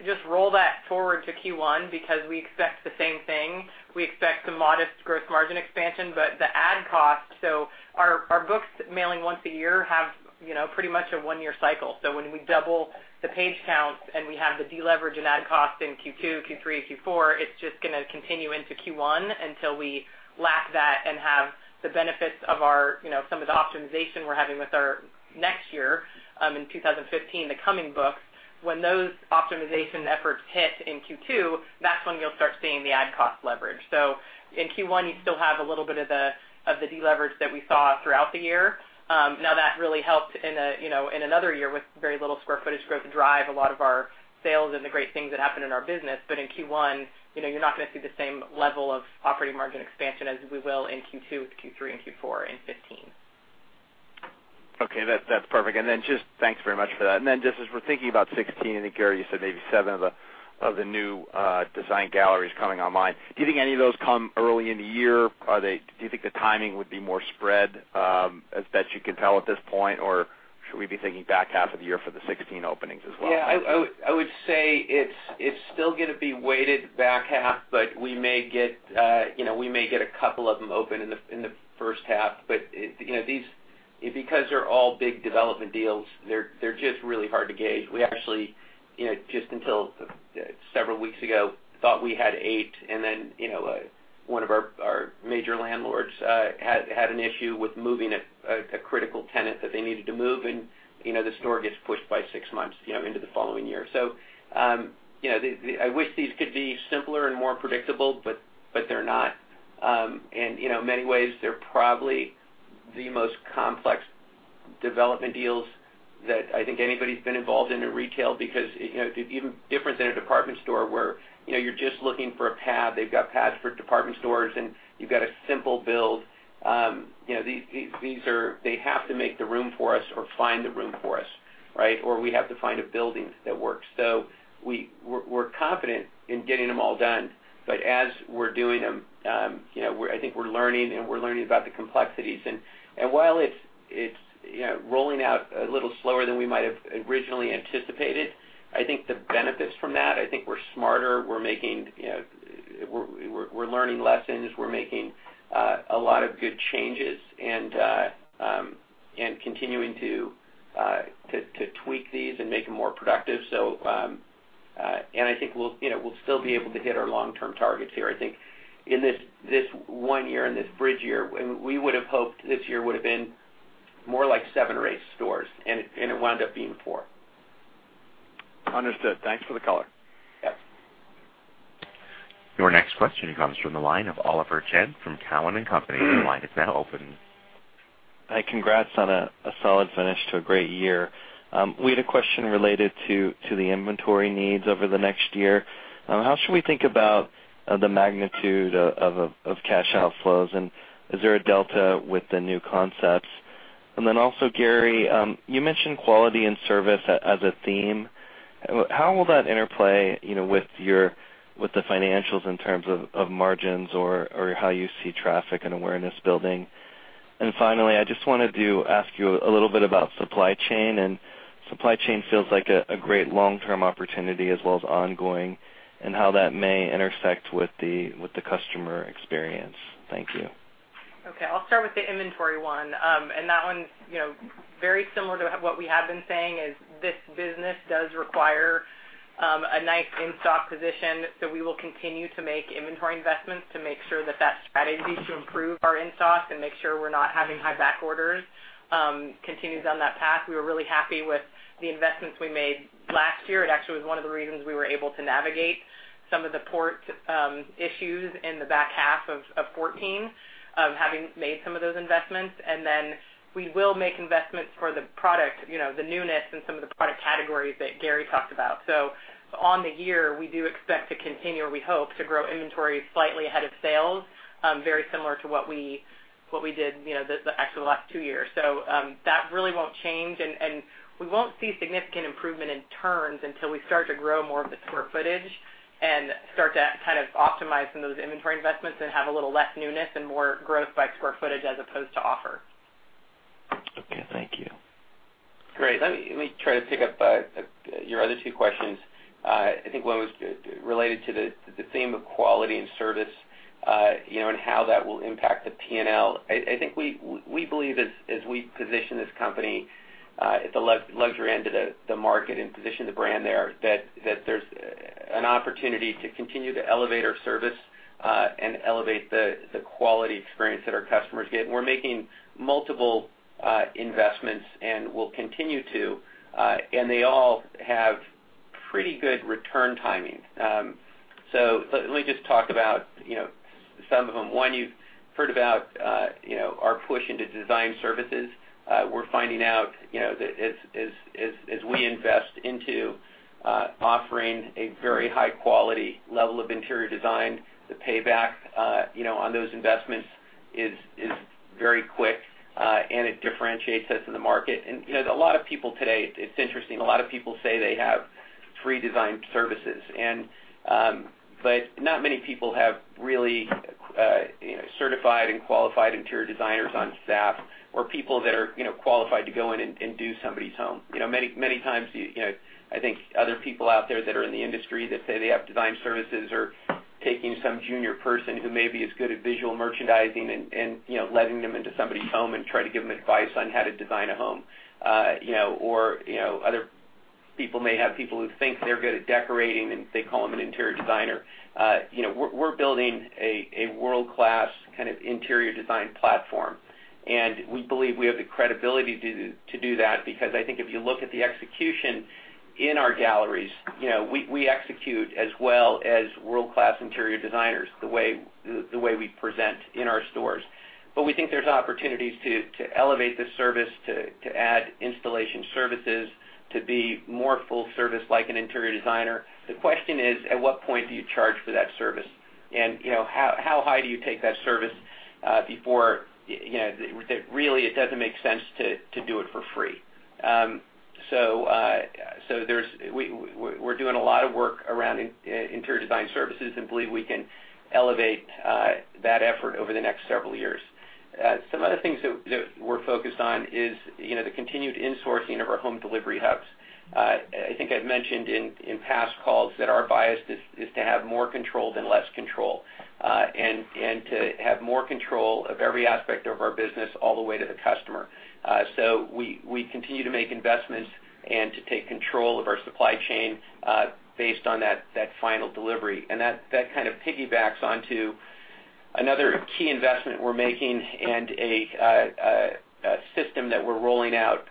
just roll that forward to Q1 because we expect the same thing. We expect some modest gross margin expansion. The ad cost, our books mailing once a year have pretty much a one-year cycle. When we double the page counts and we have the deleverage in ad cost in Q2, Q3, Q4, it's just going to continue into Q1 until we lap that and have the benefits of some of the optimization we're having with our next year, in 2015, the coming books. When those optimization efforts hit in Q2, that's when you'll start seeing the ad cost leverage. In Q1, you still have a little bit of the deleverage that we saw throughout the year. That really helped in another year with very little square footage growth drive a lot of our sales and the great things that happen in our business. In Q1, you're not going to see the same level of operating margin expansion as we will in Q2 with Q3 and Q4 in 2015.
Okay. That's perfect. Thanks very much for that. Just as we're thinking about 2016, I think, Gary, you said maybe seven of the new design galleries coming online. Do you think any of those come early in the year? Do you think the timing would be more spread that you can tell at this point, or should we be thinking back half of the year more?
The 16 openings as well.
I would say it's still going to be weighted back half, we may get a couple of them open in the first half. Because they're all big development deals, they're just really hard to gauge. We actually, just until several weeks ago, thought we had eight, then one of our major landlords had an issue with moving a critical tenant that they needed to move, and the store gets pushed by six months into the following year. I wish these could be simpler and more predictable, but they're not. In many ways, they're probably the most complex development deals that I think anybody's been involved in retail because it's even different than a department store where you're just looking for a pad. They've got pads for department stores, and you've got a simple build. They have to make the room for us or find the room for us. We have to find a building that works. We're confident in getting them all done. As we're doing them, I think we're learning, and we're learning about the complexities. While it's rolling out a little slower than we might have originally anticipated, I think the benefits from that, I think we're smarter. We're learning lessons. We're making a lot of good changes and continuing to tweak these and make them more productive. I think we'll still be able to hit our long-term targets here. I think in this one year, in this bridge year, we would've hoped this year would've been more like seven or eight stores, and it wound up being four.
Understood. Thanks for the color.
Yep.
Your next question comes from the line of Oliver Chen from Cowen and Company. Your line is now open.
Hi. Congrats on a solid finish to a great year. We had a question related to the inventory needs over the next year. How should we think about the magnitude of cash outflows, and is there a delta with the new concepts? Gary, you mentioned quality and service as a theme. How will that interplay with the financials in terms of margins or how you see traffic and awareness building? I just wanted to ask you a little bit about supply chain, and supply chain feels like a great long-term opportunity as well as ongoing and how that may intersect with the customer experience. Thank you.
I'll start with the inventory one. That one's very similar to what we have been saying is this business does require a nice in-stock position. We will continue to make inventory investments to make sure that that strategy to improve our in-stocks and make sure we're not having high back orders continues down that path. We were really happy with the investments we made last year. It actually was one of the reasons we were able to navigate some of the port issues in the back half of 2014, having made some of those investments. Then we will make investments for the product, the newness in some of the product categories that Gary talked about. On the year, we do expect to continue, or we hope to grow inventory slightly ahead of sales, very similar to what we did the actual last two years. That really won't change, and we won't see significant improvement in turns until we start to grow more of the square footage and start to optimize some of those inventory investments and have a little less newness and more growth by square footage as opposed to offer.
Okay, thank you.
Great. Let me try to pick up your other two questions. I think one was related to the theme of quality and service, and how that will impact the P&L. I think we believe as we position this company at the luxury end of the market and position the brand there, that there's an opportunity to continue to elevate our service and elevate the quality experience that our customers get. We're making multiple investments and will continue to, and they all have pretty good return timing. Let me just talk about some of them. One you've heard about, our push into design services. We're finding out as we invest into offering a very high-quality level of interior design, the payback on those investments is very quick, and it differentiates us in the market. A lot of people today, it's interesting, a lot of people say they have free design services. Not many people have really certified and qualified interior designers on staff or people that are qualified to go in and do somebody's home. Many times, I think other people out there that are in the industry that say they have design services are taking some junior person who may be as good at visual merchandising and letting them into somebody's home and try to give them advice on how to design a home. Other people may have people who think they're good at decorating, and they call them an interior designer. We're building a world-class interior design platform, we believe we have the credibility to do that because I think if you look at the execution in our galleries, we execute as well as world-class interior designers the way we present in our stores. We think there's opportunities to elevate the service, to add installation services, to be more full service like an interior designer. The question is, at what point do you charge for that service? How high do you take that service before really it doesn't make sense to do it for free. We're doing a lot of work around interior design services and believe we can elevate that effort over the next several years. Some of the things that we're focused on is the continued insourcing of our home delivery hubs. I think I've mentioned in past calls that our bias is to have more control than less control, and to have more control of every aspect of our business all the way to the customer. We continue to make investments and to take control of our supply chain based on that Final Mile delivery. That kind of piggybacks onto another key investment we're making and a system that we're rolling out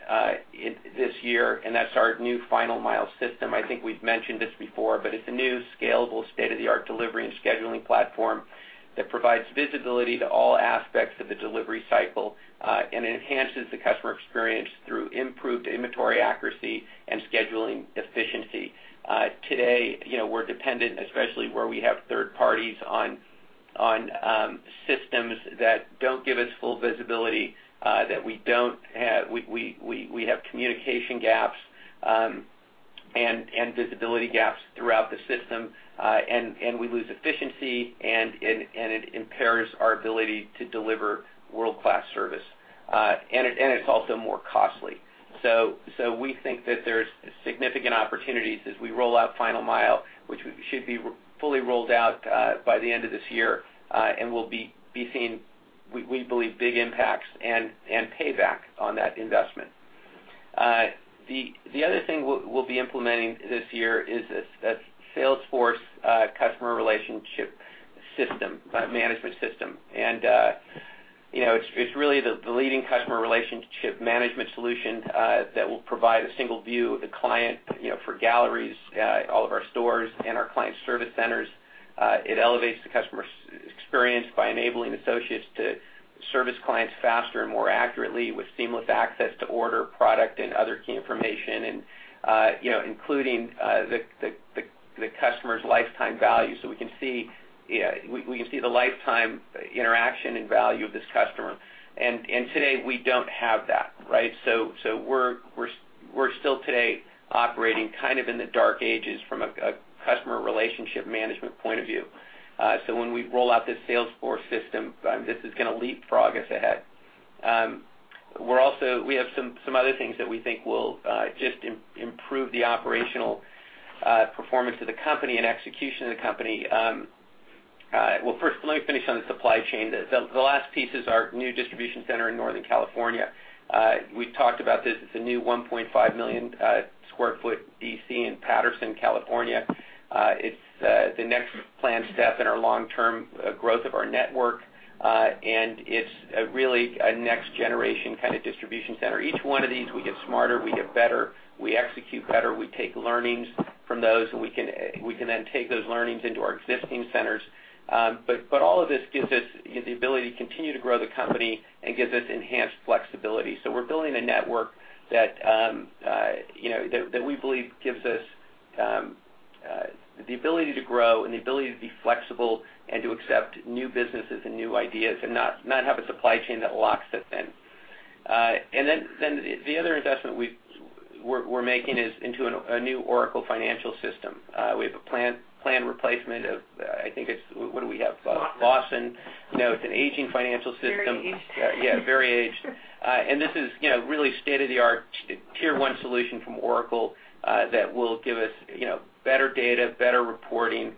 this year, and that's our new Final Mile system. I think we've mentioned this before, but it's a new scalable state-of-the-art delivery and scheduling platform that provides visibility to all aspects of the delivery cycle, and enhances the customer experience through improved inventory accuracy and scheduling efficiency. Today, we're dependent, especially where we have third parties on systems that don't give us full visibility, that we have communication gaps and visibility gaps throughout the system. We lose efficiency and it impairs our ability to deliver world-class service. It's also more costly. We think that there's significant opportunities as we roll out Final Mile, which should be fully rolled out by the end of this year, and we believe big impacts and payback on that investment. The other thing we'll be implementing this year is a Salesforce customer relationship management system. It's really the leading customer relationship management solution that will provide a single view of the client for galleries, all of our stores and our client service centers. It elevates the customer's experience by enabling associates to service clients faster and more accurately with seamless access to order, product and other key information and including the customer's lifetime value. We can see the lifetime interaction and value of this customer. Today we don't have that, right? We're still today operating kind of in the dark ages from a customer relationship management point of view. When we roll out this Salesforce system, this is going to leapfrog us ahead. We have some other things that we think will just improve the operational performance of the company and execution of the company. First, let me finish on the supply chain. The last piece is our new distribution center in Northern California. We've talked about this. It's a new 1.5-million-square-foot DC in Patterson, California. It's the next planned step in our long-term growth of our network. It's really a next generation kind of distribution center. Each one of these, we get smarter, we get better, we execute better, we take learnings from those, and we can then take those learnings into our existing centers. All of this gives us the ability to continue to grow the company and gives us enhanced flexibility. We're building a network that we believe gives us the ability to grow and the ability to be flexible and to accept new businesses and new ideas and not have a supply chain that locks us in. The other investment we're making is into a new Oracle financial system. We have a planned replacement of, I think it's What do we have?
Lawson.
Lawson. It's an aging financial system.
Very aged.
Yeah, very aged. This is really state-of-the-art tier 1 solution from Oracle that will give us better data, better reporting,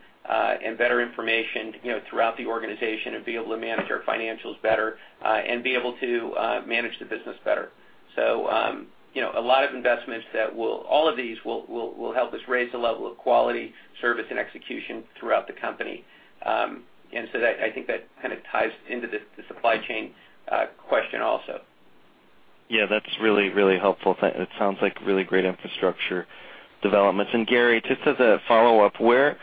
and better information throughout the organization and be able to manage our financials better, and be able to manage the business better. A lot of investments that All of these will help us raise the level of quality, service and execution throughout the company. I think that kind of ties into the supply chain question also.
Yeah, that's really helpful. It sounds like really great infrastructure developments. Gary, just as a follow-up, where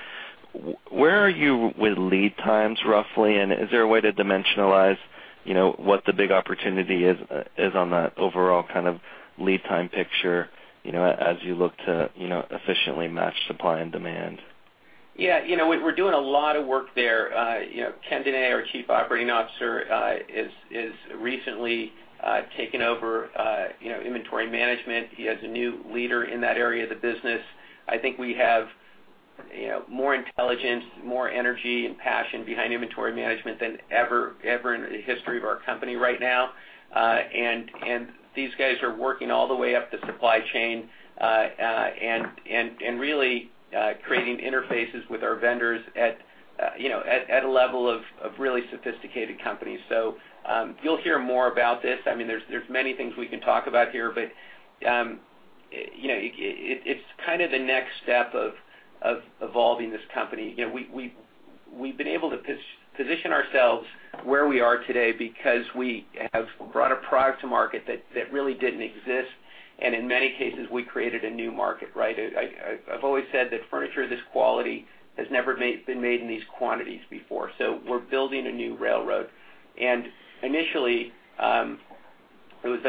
are you with lead times, roughly, and is there a way to dimensionalize what the big opportunity is on that overall kind of lead time picture as you look to efficiently match supply and demand?
Yeah. We're doing a lot of work there. Ken Dunaj, our Chief Operating Officer, has recently taken over inventory management. He has a new leader in that area of the business. I think we have more intelligence, more energy and passion behind inventory management than ever in the history of our company right now. These guys are working all the way up the supply chain, and really creating interfaces with our vendors at a level of really sophisticated companies. You'll hear more about this. There's many things we can talk about here, but it's kind of the next step of evolving this company. We've been able to position ourselves where we are today because we have brought a product to market that really didn't exist, and in many cases, we created a new market, right? I've always said that furniture of this quality has never been made in these quantities before. We're building a new railroad. Initially, it was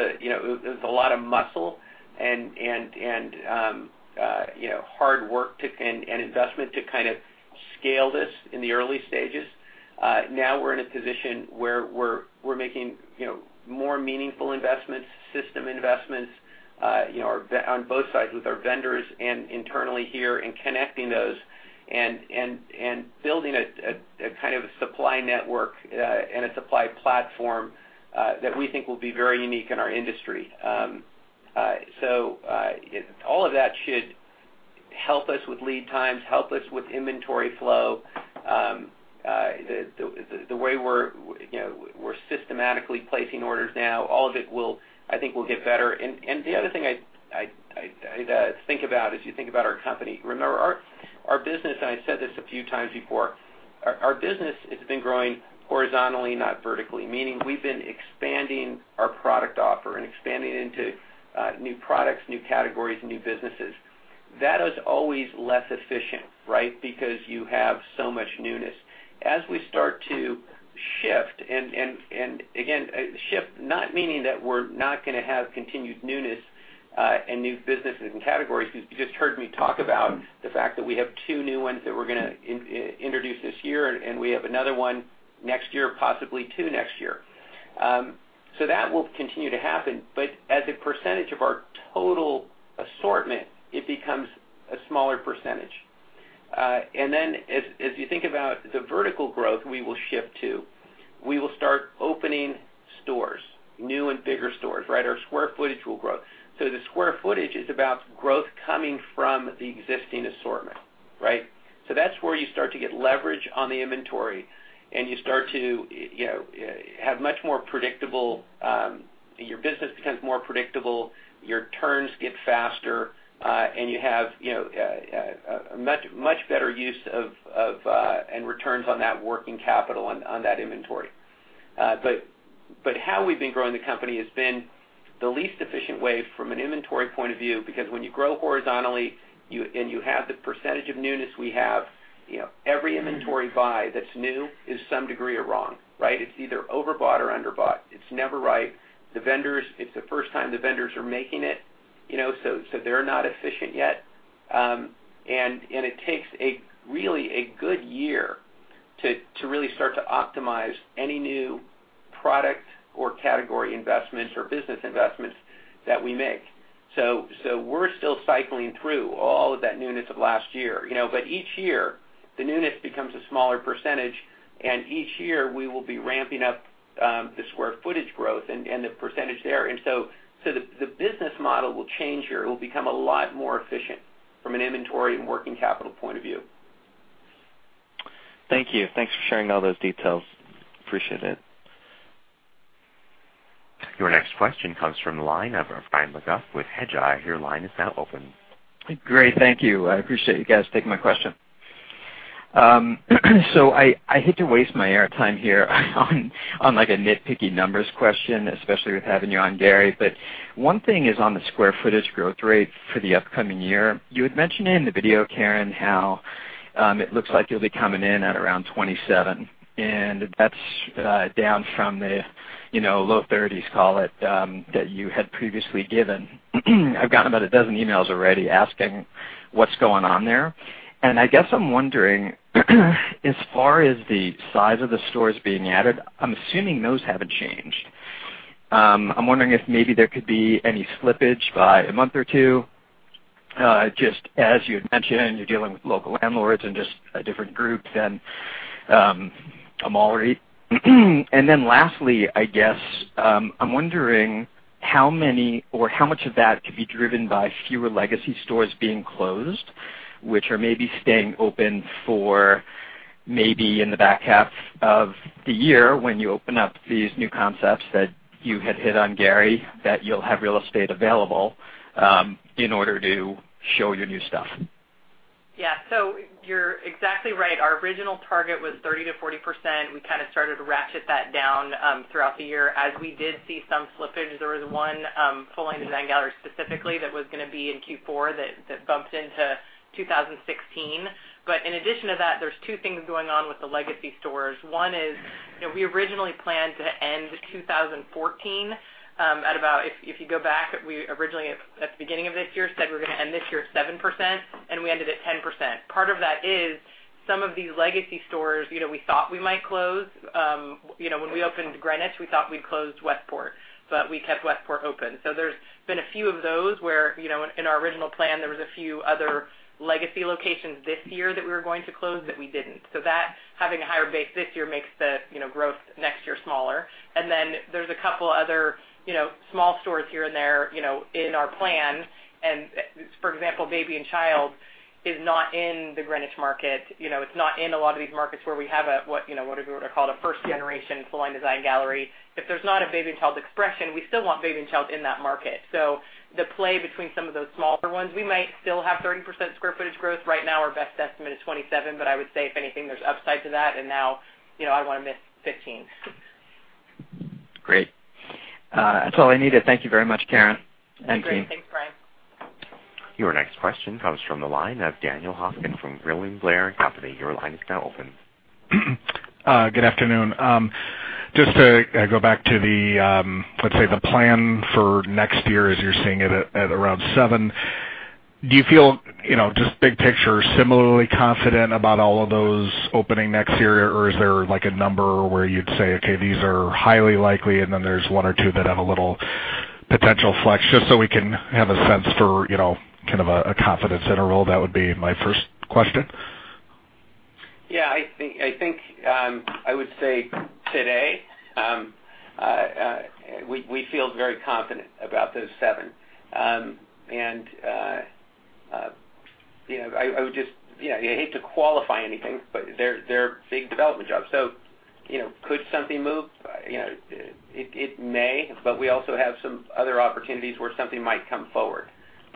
a lot of muscle and hard work and investment to kind of scale this in the early stages. Now we're in a position where we're making more meaningful investments, system investments on both sides with our vendors and internally here and connecting those and building a kind of supply network and a supply platform that we think will be very unique in our industry. All of that should help us with lead times, help us with inventory flow. The way we're systematically placing orders now, all of it will, I think, get better. The other thing I think about as you think about our company, remember our business. I said this a few times before. Our business has been growing horizontally, not vertically, meaning we've been expanding our product offer and expanding into new products, new categories, new businesses. That is always less efficient because you have so much newness. As we start to shift, again, shift not meaning that we're not going to have continued newness and new businesses and categories. You just heard me talk about the fact that we have two new ones that we're going to introduce this year, and we have another one next year, possibly two next year. That will continue to happen, but as a percentage of our total assortment, it becomes a smaller percentage. As you think about the vertical growth we will shift to, we will start opening stores, new and bigger stores. Our square footage will grow. The square footage is about growth coming from the existing assortment. That's where you start to get leverage on the inventory, and you start to have much more predictable. Your business becomes more predictable, your turns get faster, and you have a much better use of and returns on that working capital on that inventory. How we've been growing the company has been the least efficient way from an inventory point of view, because when you grow horizontally and you have the percentage of newness we have, every inventory buy that's new is some degree of wrong. It's either overbought or underbought. It's never right. It's the first time the vendors are making it, so they're not efficient yet. It takes really a good year to really start to optimize any new product or category investments or business investments that we make. We're still cycling through all of that newness of last year. Each year, the newness becomes a smaller percentage, and each year, we will be ramping up the square footage growth and the percentage there. The business model will change here. It will become a lot more efficient from an inventory and working capital point of view.
Thank you. Thanks for sharing all those details. Appreciate it.
Your next question comes from the line of Brian McGough with Hedgeye. Your line is now open.
Great. Thank you. I appreciate you guys taking my question. I hate to waste my air time here on, like, a nitpicky numbers question, especially with having you on, Gary, but one thing is on the square footage growth rate for the upcoming year. You had mentioned in the video, Karen, how it looks like you'll be coming in at around 27, and that's down from the low 30s, call it, that you had previously given. I've gotten about a dozen emails already asking what's going on there. I guess I'm wondering, as far as the size of the stores being added, I'm assuming those haven't changed. I'm wondering if maybe there could be any slippage by a month or two, just as you had mentioned, you're dealing with local landlords and just a different group than a mall REIT. Lastly, I guess, I'm wondering how many or how much of that could be driven by fewer legacy stores being closed, which are maybe staying open for maybe in the back half of the year when you open up these new concepts that you had hit on, Gary, that you'll have real estate available in order to show your new stuff.
Yeah. You're exactly right. Our original target was 30%-40%. We kind of started to ratchet that down throughout the year as we did see some slippage. There was one Full Line Design Gallery specifically that was going to be in Q4 that bumped into 2016. In addition to that, there's two things going on with the legacy stores. One is, we originally planned to end 2014 at about If you go back, we originally, at the beginning of this year, said we're going to end this year at 7%, and we ended at 10%. Part of that is some of these legacy stores we thought we might close. When we opened Greenwich, we thought we'd close Westport, but we kept Westport open. There's been a few of those where in our original plan, there was a few other legacy locations this year that we were going to close that we didn't. That, having a higher base this year makes the growth next year smaller. There's a couple other small stores here and there in our plan. For example, RH Baby & Child is not in the Greenwich market. It's not in a lot of these markets where we have what we would call a first-generation Full Line Design Gallery. If there's not a RH Baby & Child Expression, we still want RH Baby & Child in that market. The play between some of those smaller ones, we might still have 30% square footage growth. Right now, our best estimate is 27, but I would say if anything, there's upside to that, and now I want to miss 15.
Great. That's all I needed. Thank you very much, Karen.
Great. Thanks, Brian.
Your next question comes from the line of Daniel Hofkin from William Blair & Company. Your line is now open.
Good afternoon. To go back to the, let's say, the plan for next year, as you're seeing it at around seven. Do you feel, just big picture, similarly confident about all of those opening next year? Is there a number where you'd say, "Okay, these are highly likely," and then there's one or two that have a little potential flex, just so we can have a sense for kind of a confidence interval? That would be my first question.
Yeah. I think I would say today, we feel very confident about those seven. I would just hate to qualify anything, but they're big development jobs, so could something move? It may, but we also have some other opportunities where something might come forward.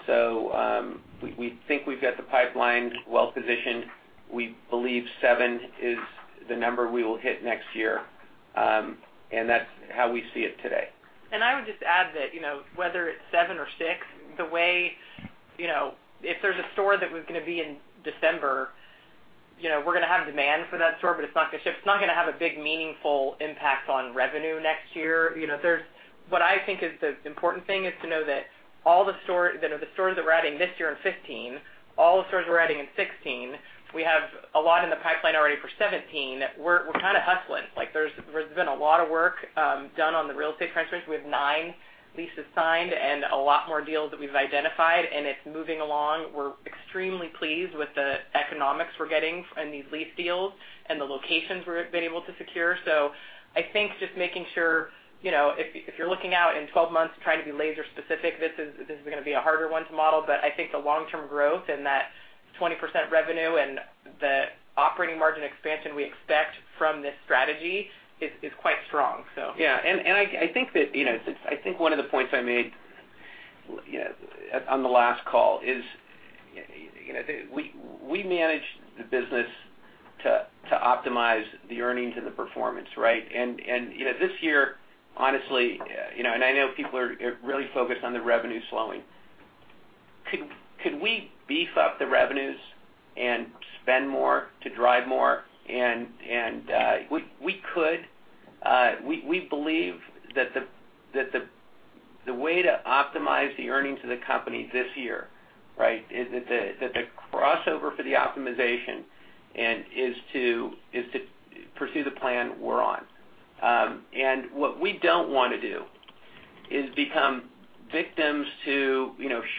We think we've got the pipeline well-positioned. We believe seven is the number we will hit next year. That's how we see it today.
I would just add that whether it's seven or six, if there's a store that was going to be in December, we're going to have demand for that store, but it's not going to ship. It's not going to have a big, meaningful impact on revenue next year. What I think is the important thing is to know that all the stores that we're adding this year in 2015, all the stores we're adding in 2016, we have a lot in the pipeline already for 2017. We're kind of hustling. There's been a lot of work done on the real estate front. We have nine leases signed and a lot more deals that we've identified, and it's moving along. We're extremely pleased with the economics we're getting in these lease deals and the locations we've been able to secure. I think just making sure, if you're looking out in 12 months trying to be laser specific, this is going to be a harder one to model. I think the long-term growth and that 20% revenue and the operating margin expansion we expect from this strategy is quite strong.
Yeah. I think one of the points I made on the last call is we manage the business to optimize the earnings and the performance, right? This year, honestly, I know people are really focused on the revenue slowing. Could we beef up the revenues and spend more to drive more? We could. We believe that the way to optimize the earnings of the company this year is that the crossover for the optimization and is to pursue the plan we're on. What we don't want to do is become victims to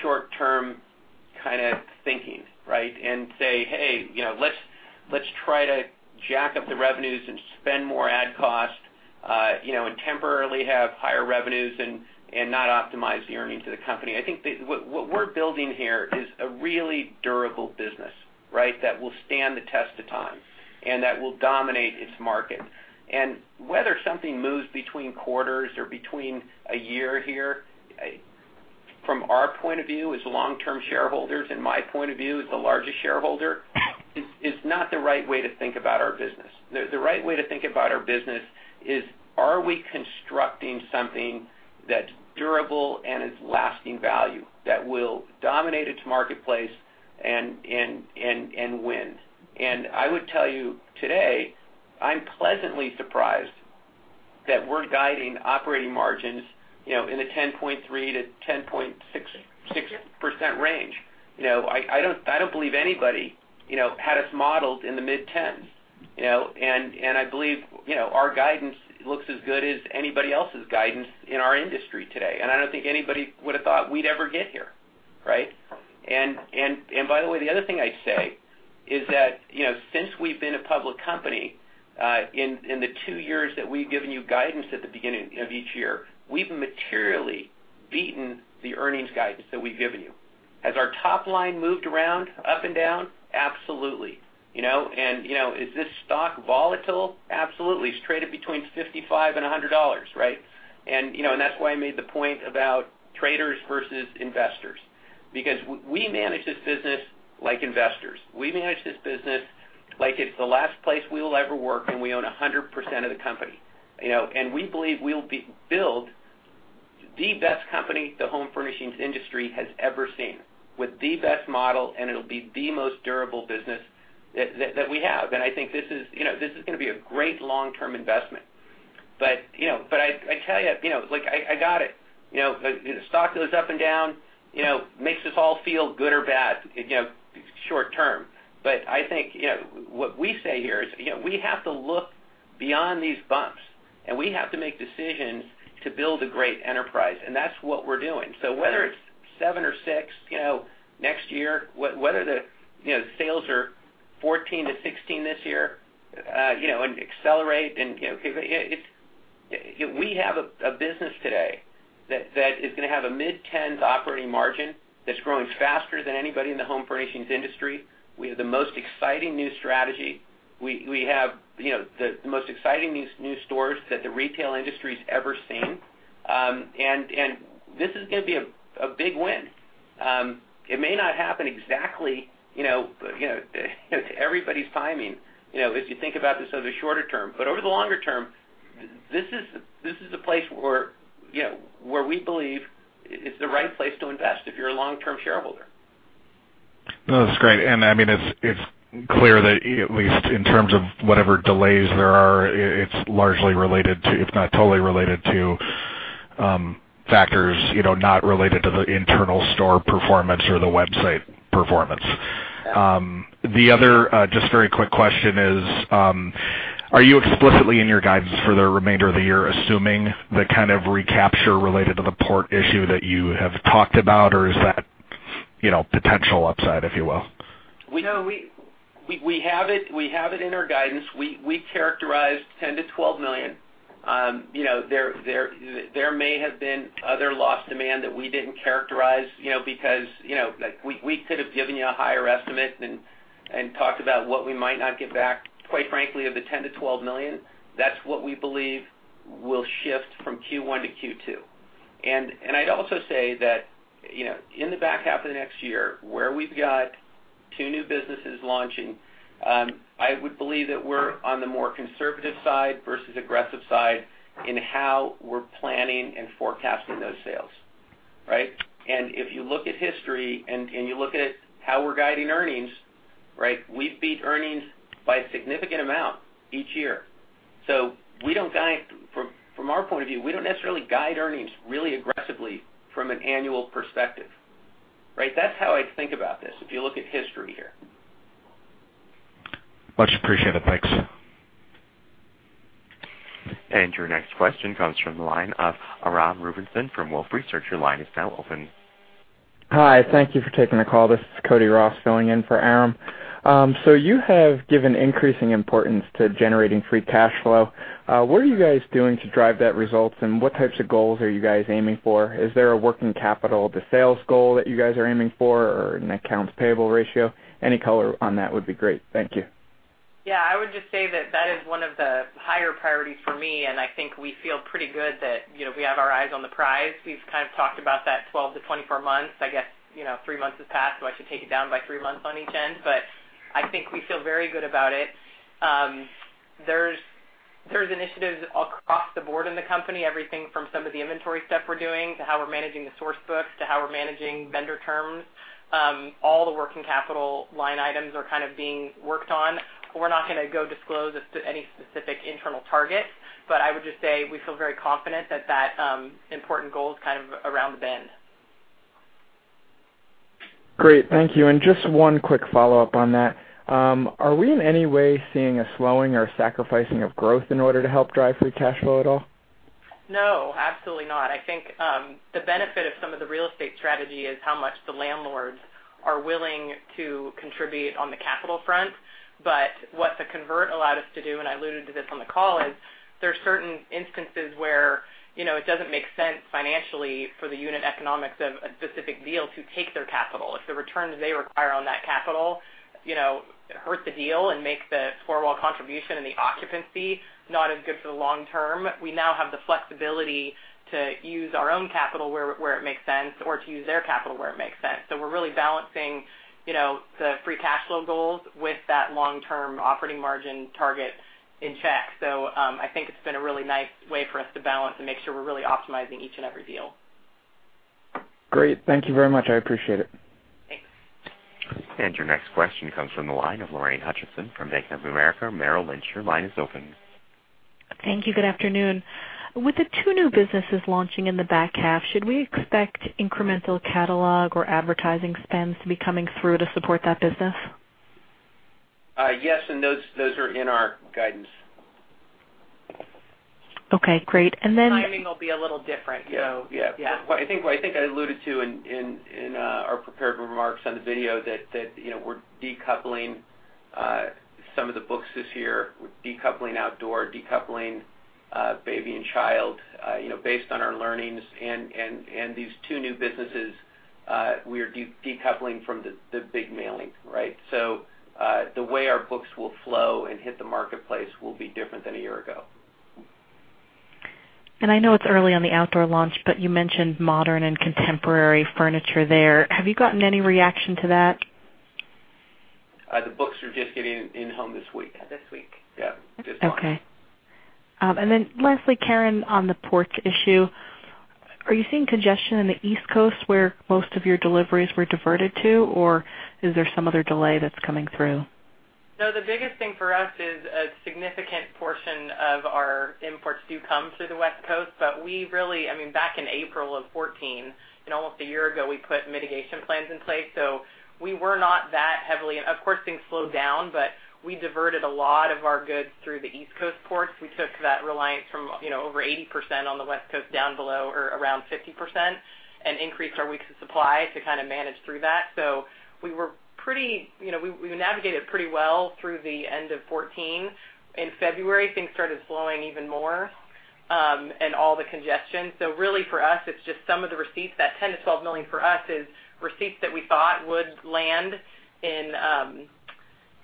short-term kind of thinking and say, "Hey, let's try to jack up the revenues and spend more ad cost, and temporarily have higher revenues and not optimize the earnings of the company." I think what we're building here is a really durable business that will stand the test of time and that will dominate its market. Whether something moves between quarters or between a year here, from our point of view as long-term shareholders and my point of view as the largest shareholder, is not the right way to think about our business. The right way to think about our business is, are we constructing something that's durable and is lasting value that will dominate its marketplace and win? I would tell you today, I'm pleasantly surprised that we're guiding operating margins in the 10.3%-10.6% range. I don't believe anybody had us modeled in the mid-10s. I believe our guidance looks as good as anybody else's guidance in our industry today, and I don't think anybody would've thought we'd ever get here, right? By the way, the other thing I'd say is that since we've been a public company, in the two years that we've given you guidance at the beginning of each year, we've materially beaten the earnings guidance that we've given you. Has our top line moved around up and down? Absolutely. Is this stock volatile? Absolutely. It's traded between 55 and $100, right? That's why I made the point about traders versus investors because we manage this business like investors. We manage this business like it's the last place we will ever work, and we own 100% of the company. We believe we'll build the best company the home furnishings industry has ever seen with the best model, and it'll be the most durable business that we have. I think this is going to be a great long-term investment. I tell you, look, I got it. The stock goes up and down, makes us all feel good or bad short-term. I think what we say here is we have to look beyond these bumps, and we have to make decisions to build a great enterprise, and that's what we're doing. Whether it's seven or six next year, whether the sales are 14%-16% this year and accelerate. We have a business today that is going to have a mid-10s operating margin that's growing faster than anybody in the home furnishings industry. We have the most exciting new strategy. We have the most exciting new stores that the retail industry's ever seen. This is going to be a big win. It may not happen exactly to everybody's timing, if you think about this over the shorter term. Over the longer term, this is the place where we believe is the right place to invest if you're a long-term shareholder.
No, that's great. It's clear that at least in terms of whatever delays there are, it's largely related to, if not totally related to, factors not related to the internal store performance or the website performance. The other just very quick question is, are you explicitly in your guidance for the remainder of the year assuming the kind of recapture related to the port issue that you have talked about? Or is that potential upside, if you will?
We have it in our guidance. We characterized $10 million-$12 million. There may have been other lost demand that we didn't characterize because we could have given you a higher estimate and talked about what we might not get back. Quite frankly, of the $10 million-$12 million, that's what we believe will shift from Q1 to Q2. I'd also say that in the back half of next year, where we've got two new businesses launching, I would believe that we're on the more conservative side versus aggressive side in how we're planning and forecasting those sales. Right? If you look at history and you look at how we're guiding earnings, we've beat earnings by a significant amount each year. From our point of view, we don't necessarily guide earnings really aggressively from an annual perspective. That's how I think about this, if you look at history here.
Much appreciated. Thanks.
Your next question comes from the line of Aram Rubinson from Wolfe Research. Your line is now open.
Hi. Thank you for taking the call. This is Cody Ross filling in for Aram. You have given increasing importance to generating free cash flow. What are you guys doing to drive that result, and what types of goals are you guys aiming for? Is there a working capital to sales goal that you guys are aiming for, or an accounts payable ratio? Any color on that would be great. Thank you.
Yeah, I would just say that that is one of the higher priorities for me, and I think we feel pretty good that we have our eyes on the prize. We've kind of talked about that 12-24 months. I guess, three months has passed, so I should take it down by three months on each end. I think we feel very good about it. There's initiatives across the board in the company, everything from some of the inventory stuff we're doing to how we're managing the source books to how we're managing vendor terms. All the working capital line items are kind of being worked on. We're not going to go disclose any specific internal targets, but I would just say we feel very confident that that important goal is kind of around the bend.
Great. Thank you. Just one quick follow-up on that. Are we in any way seeing a slowing or sacrificing of growth in order to help drive free cash flow at all?
No, absolutely not. I think, the benefit of some of the real estate strategy is how much the landlords are willing to contribute on the capital front. What the convert allowed us to do, and I alluded to this on the call, is there are certain instances where it doesn't make sense financially for the unit economics of a specific deal to take their capital. If the returns they require on that capital hurt the deal and make the four-wall contribution and the occupancy not as good for the long term, we now have the flexibility to use our own capital where it makes sense, or to use their capital where it makes sense. We're really balancing the free cash flow goals with that long-term operating margin target in check. I think it's been a really nice way for us to balance and make sure we're really optimizing each and every deal.
Great. Thank you very much. I appreciate it.
Thanks.
Your next question comes from the line of Lorraine Hutchinson from Bank of America Merrill Lynch. Your line is open.
Thank you. Good afternoon. With the two new businesses launching in the back half, should we expect incremental catalog or advertising spends to be coming through to support that business?
Yes, those are in our guidance.
Okay, great.
Timing will be a little different, though.
Yeah.
Yeah.
What I think I alluded to in our prepared remarks on the video that we're decoupling some of the books this year. We're decoupling RH Outdoor, decoupling RH Baby & Child, based on our learnings and these two new businesses, we are decoupling from the big mailing. The way our books will flow and hit the marketplace will be different than a year ago.
I know it's early on the RH Outdoor launch, you mentioned modern and contemporary furniture there. Have you gotten any reaction to that?
The books are just getting in-home this week.
This week.
Yeah. Just launched.
Okay. Lastly, Karen, on the port issue, are you seeing congestion in the East Coast where most of your deliveries were diverted to, or is there some other delay that's coming through?
No, the biggest thing for us is a significant portion of our imports do come through the West Coast, but back in April of 2014 and almost a year ago, we put mitigation plans in place. Of course, things slowed down, but we diverted a lot of our goods through the East Coast ports. We took that reliance from over 80% on the West Coast down below or around 50% and increased our weeks of supply to kind of manage through that. We navigated pretty well through the end of 2014. In February, things started slowing even more, and all the congestion. Really for us, it's just some of the receipts. That $10 million-$12 million for us is receipts that we thought would land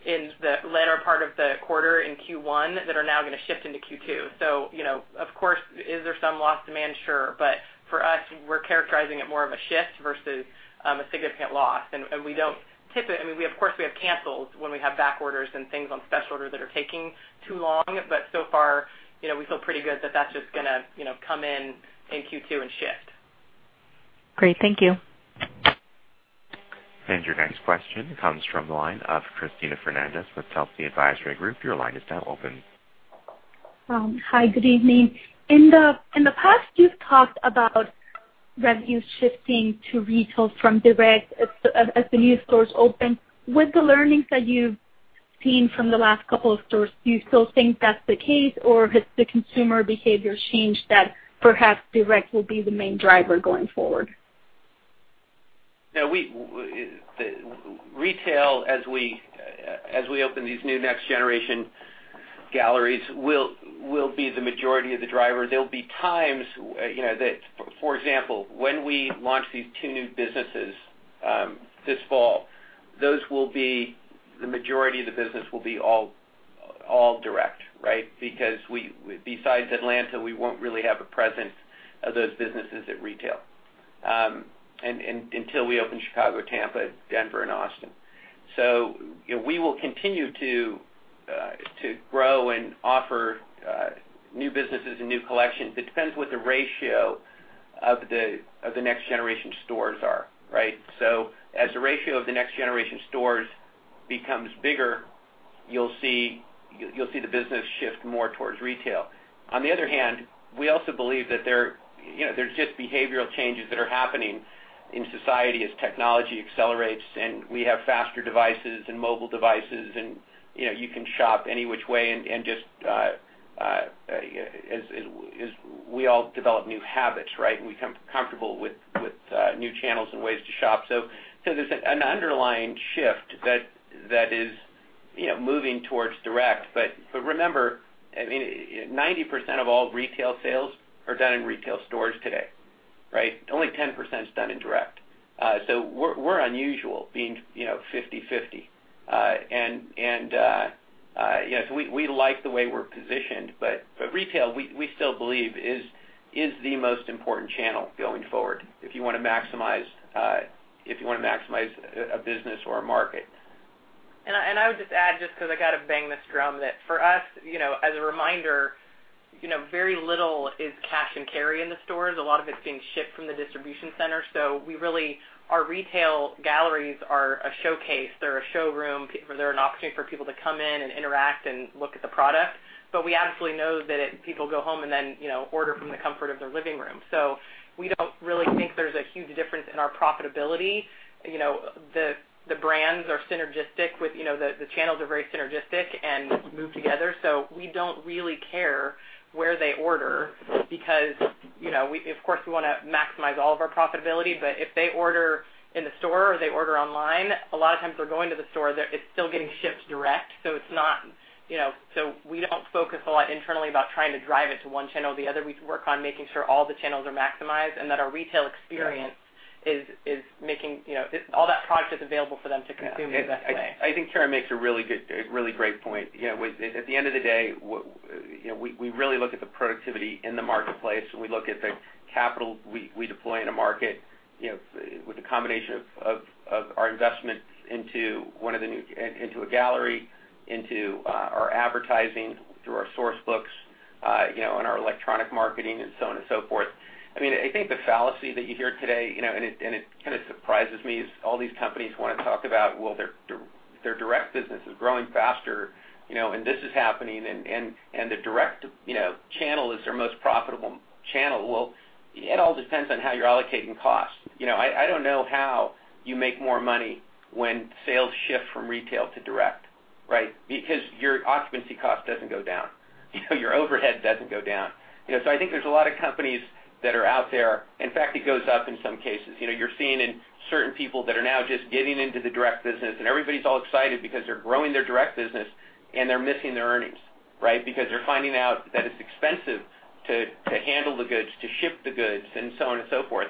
in the latter part of the quarter in Q1 that are now going to shift into Q2. Of course, is there some lost demand? Sure. For us, we're characterizing it more of a shift versus a significant loss. Of course, we have cancels when we have back orders and things on special order that are taking too long, but so far, we feel pretty good that that's just going to come in in Q2 and shift.
Great. Thank you.
Your next question comes from the line of Cristina Fernandez with Telsey Advisory Group. Your line is now open.
Hi, good evening. In the past, you've talked about revenue shifting to retail from direct as the new stores open. With the learnings that you've seen from the last couple of stores, do you still think that's the case, or has the consumer behavior changed that perhaps direct will be the main driver going forward?
Retail, as we open these new next-generation galleries, will be the majority of the driver. There'll be times, for example, when we launch these two new businesses this fall. The majority of the business will be all direct. Besides Atlanta, we won't really have a presence of those businesses at retail until we open Chicago, Tampa, Denver, and Austin. We will continue to grow and offer new businesses and new collections, but it depends what the ratio of the next generation stores are. As the ratio of the next generation stores becomes bigger, you'll see the business shift more towards retail. On the other hand, we also believe that there's just behavioral changes that are happening in society as technology accelerates and we have faster devices and mobile devices, and you can shop any which way and just as we all develop new habits. We become comfortable with new channels and ways to shop. There's an underlying shift that is moving towards direct. Remember, 90% of all retail sales are done in retail stores today. Only 10% is done in direct. We're unusual being 50/50. We like the way we're positioned, retail, we still believe is the most important channel going forward if you want to maximize a business or a market.
I would just add, just because I got to bang this drum, that for us, as a reminder, very little is cash and carry in the stores. A lot of it's being shipped from the distribution center. Our retail galleries are a showcase. They're a showroom. They're an opportunity for people to come in and interact and look at the product. We absolutely know that people go home and then order from the comfort of their living room. We don't really think there's a huge difference in our profitability. The channels are very synergistic and move together. We don't really care where they order because of course, we want to maximize all of our profitability, but if they order in the store or they order online, a lot of times they're going to the store. It's still getting shipped direct. We don't focus a lot internally about trying to drive it to one channel or the other. We work on making sure all the channels are maximized and that our retail experience is making all that product available for them to consume the best way.
I think Karen makes a really great point. At the end of the day, we really look at the productivity in the marketplace, and we look at the capital we deploy in a market with a combination of our investments into a gallery, into our advertising, through our source books and our electronic marketing and so on and so forth. I think the fallacy that you hear today, and it kind of surprises me, is all these companies want to talk about, well, their direct business is growing faster, and this is happening and the direct channel is their most profitable channel. Well, it all depends on how you're allocating cost. I don't know how you make more money when sales shift from retail to direct. Your occupancy cost doesn't go down. Your overhead doesn't go down. I think there's a lot of companies that are out there. In fact, it goes up in some cases. You're seeing in certain people that are now just getting into the direct business, and everybody's all excited because they're growing their direct business and they're missing their earnings. They're finding out that it's expensive to handle the goods, to ship the goods, and so on and so forth,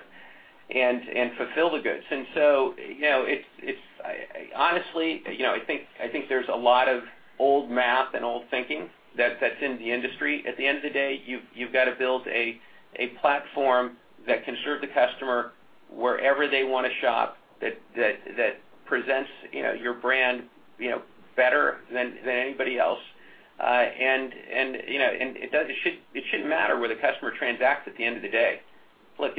and fulfill the goods. Honestly, I think there's a lot of old math and old thinking that's in the industry. At the end of the day, you've got to build a platform that can serve the customer wherever they want to shop, that presents your brand better than anybody else. It shouldn't matter where the customer transacts at the end of the day. Look,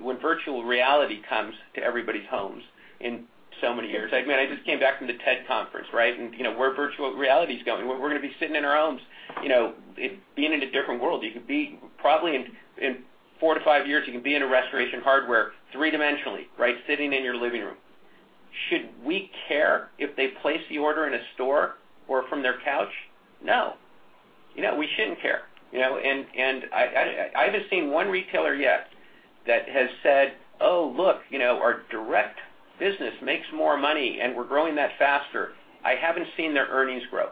when virtual reality comes to everybody's homes in so many years I just came back from the TED Conference. Where virtual reality is going, we're going to be sitting in our homes being in a different world. Probably in four to five years, you can be in a Restoration Hardware three-dimensionally, sitting in your living room. Should we care if they place the order in a store or from their couch? No. We shouldn't care. I haven't seen one retailer yet that has said, "Oh, look, our direct business makes more money, and we're growing that faster." I haven't seen their earnings grow.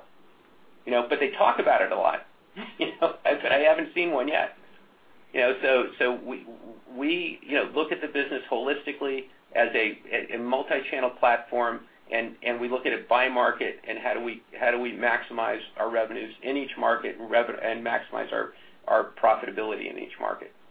They talk about it a lot. I haven't seen one yet. We look at the business holistically as a multi-channel platform, we look at it by market and how do we maximize our revenues in each market and maximize our profitability in each market.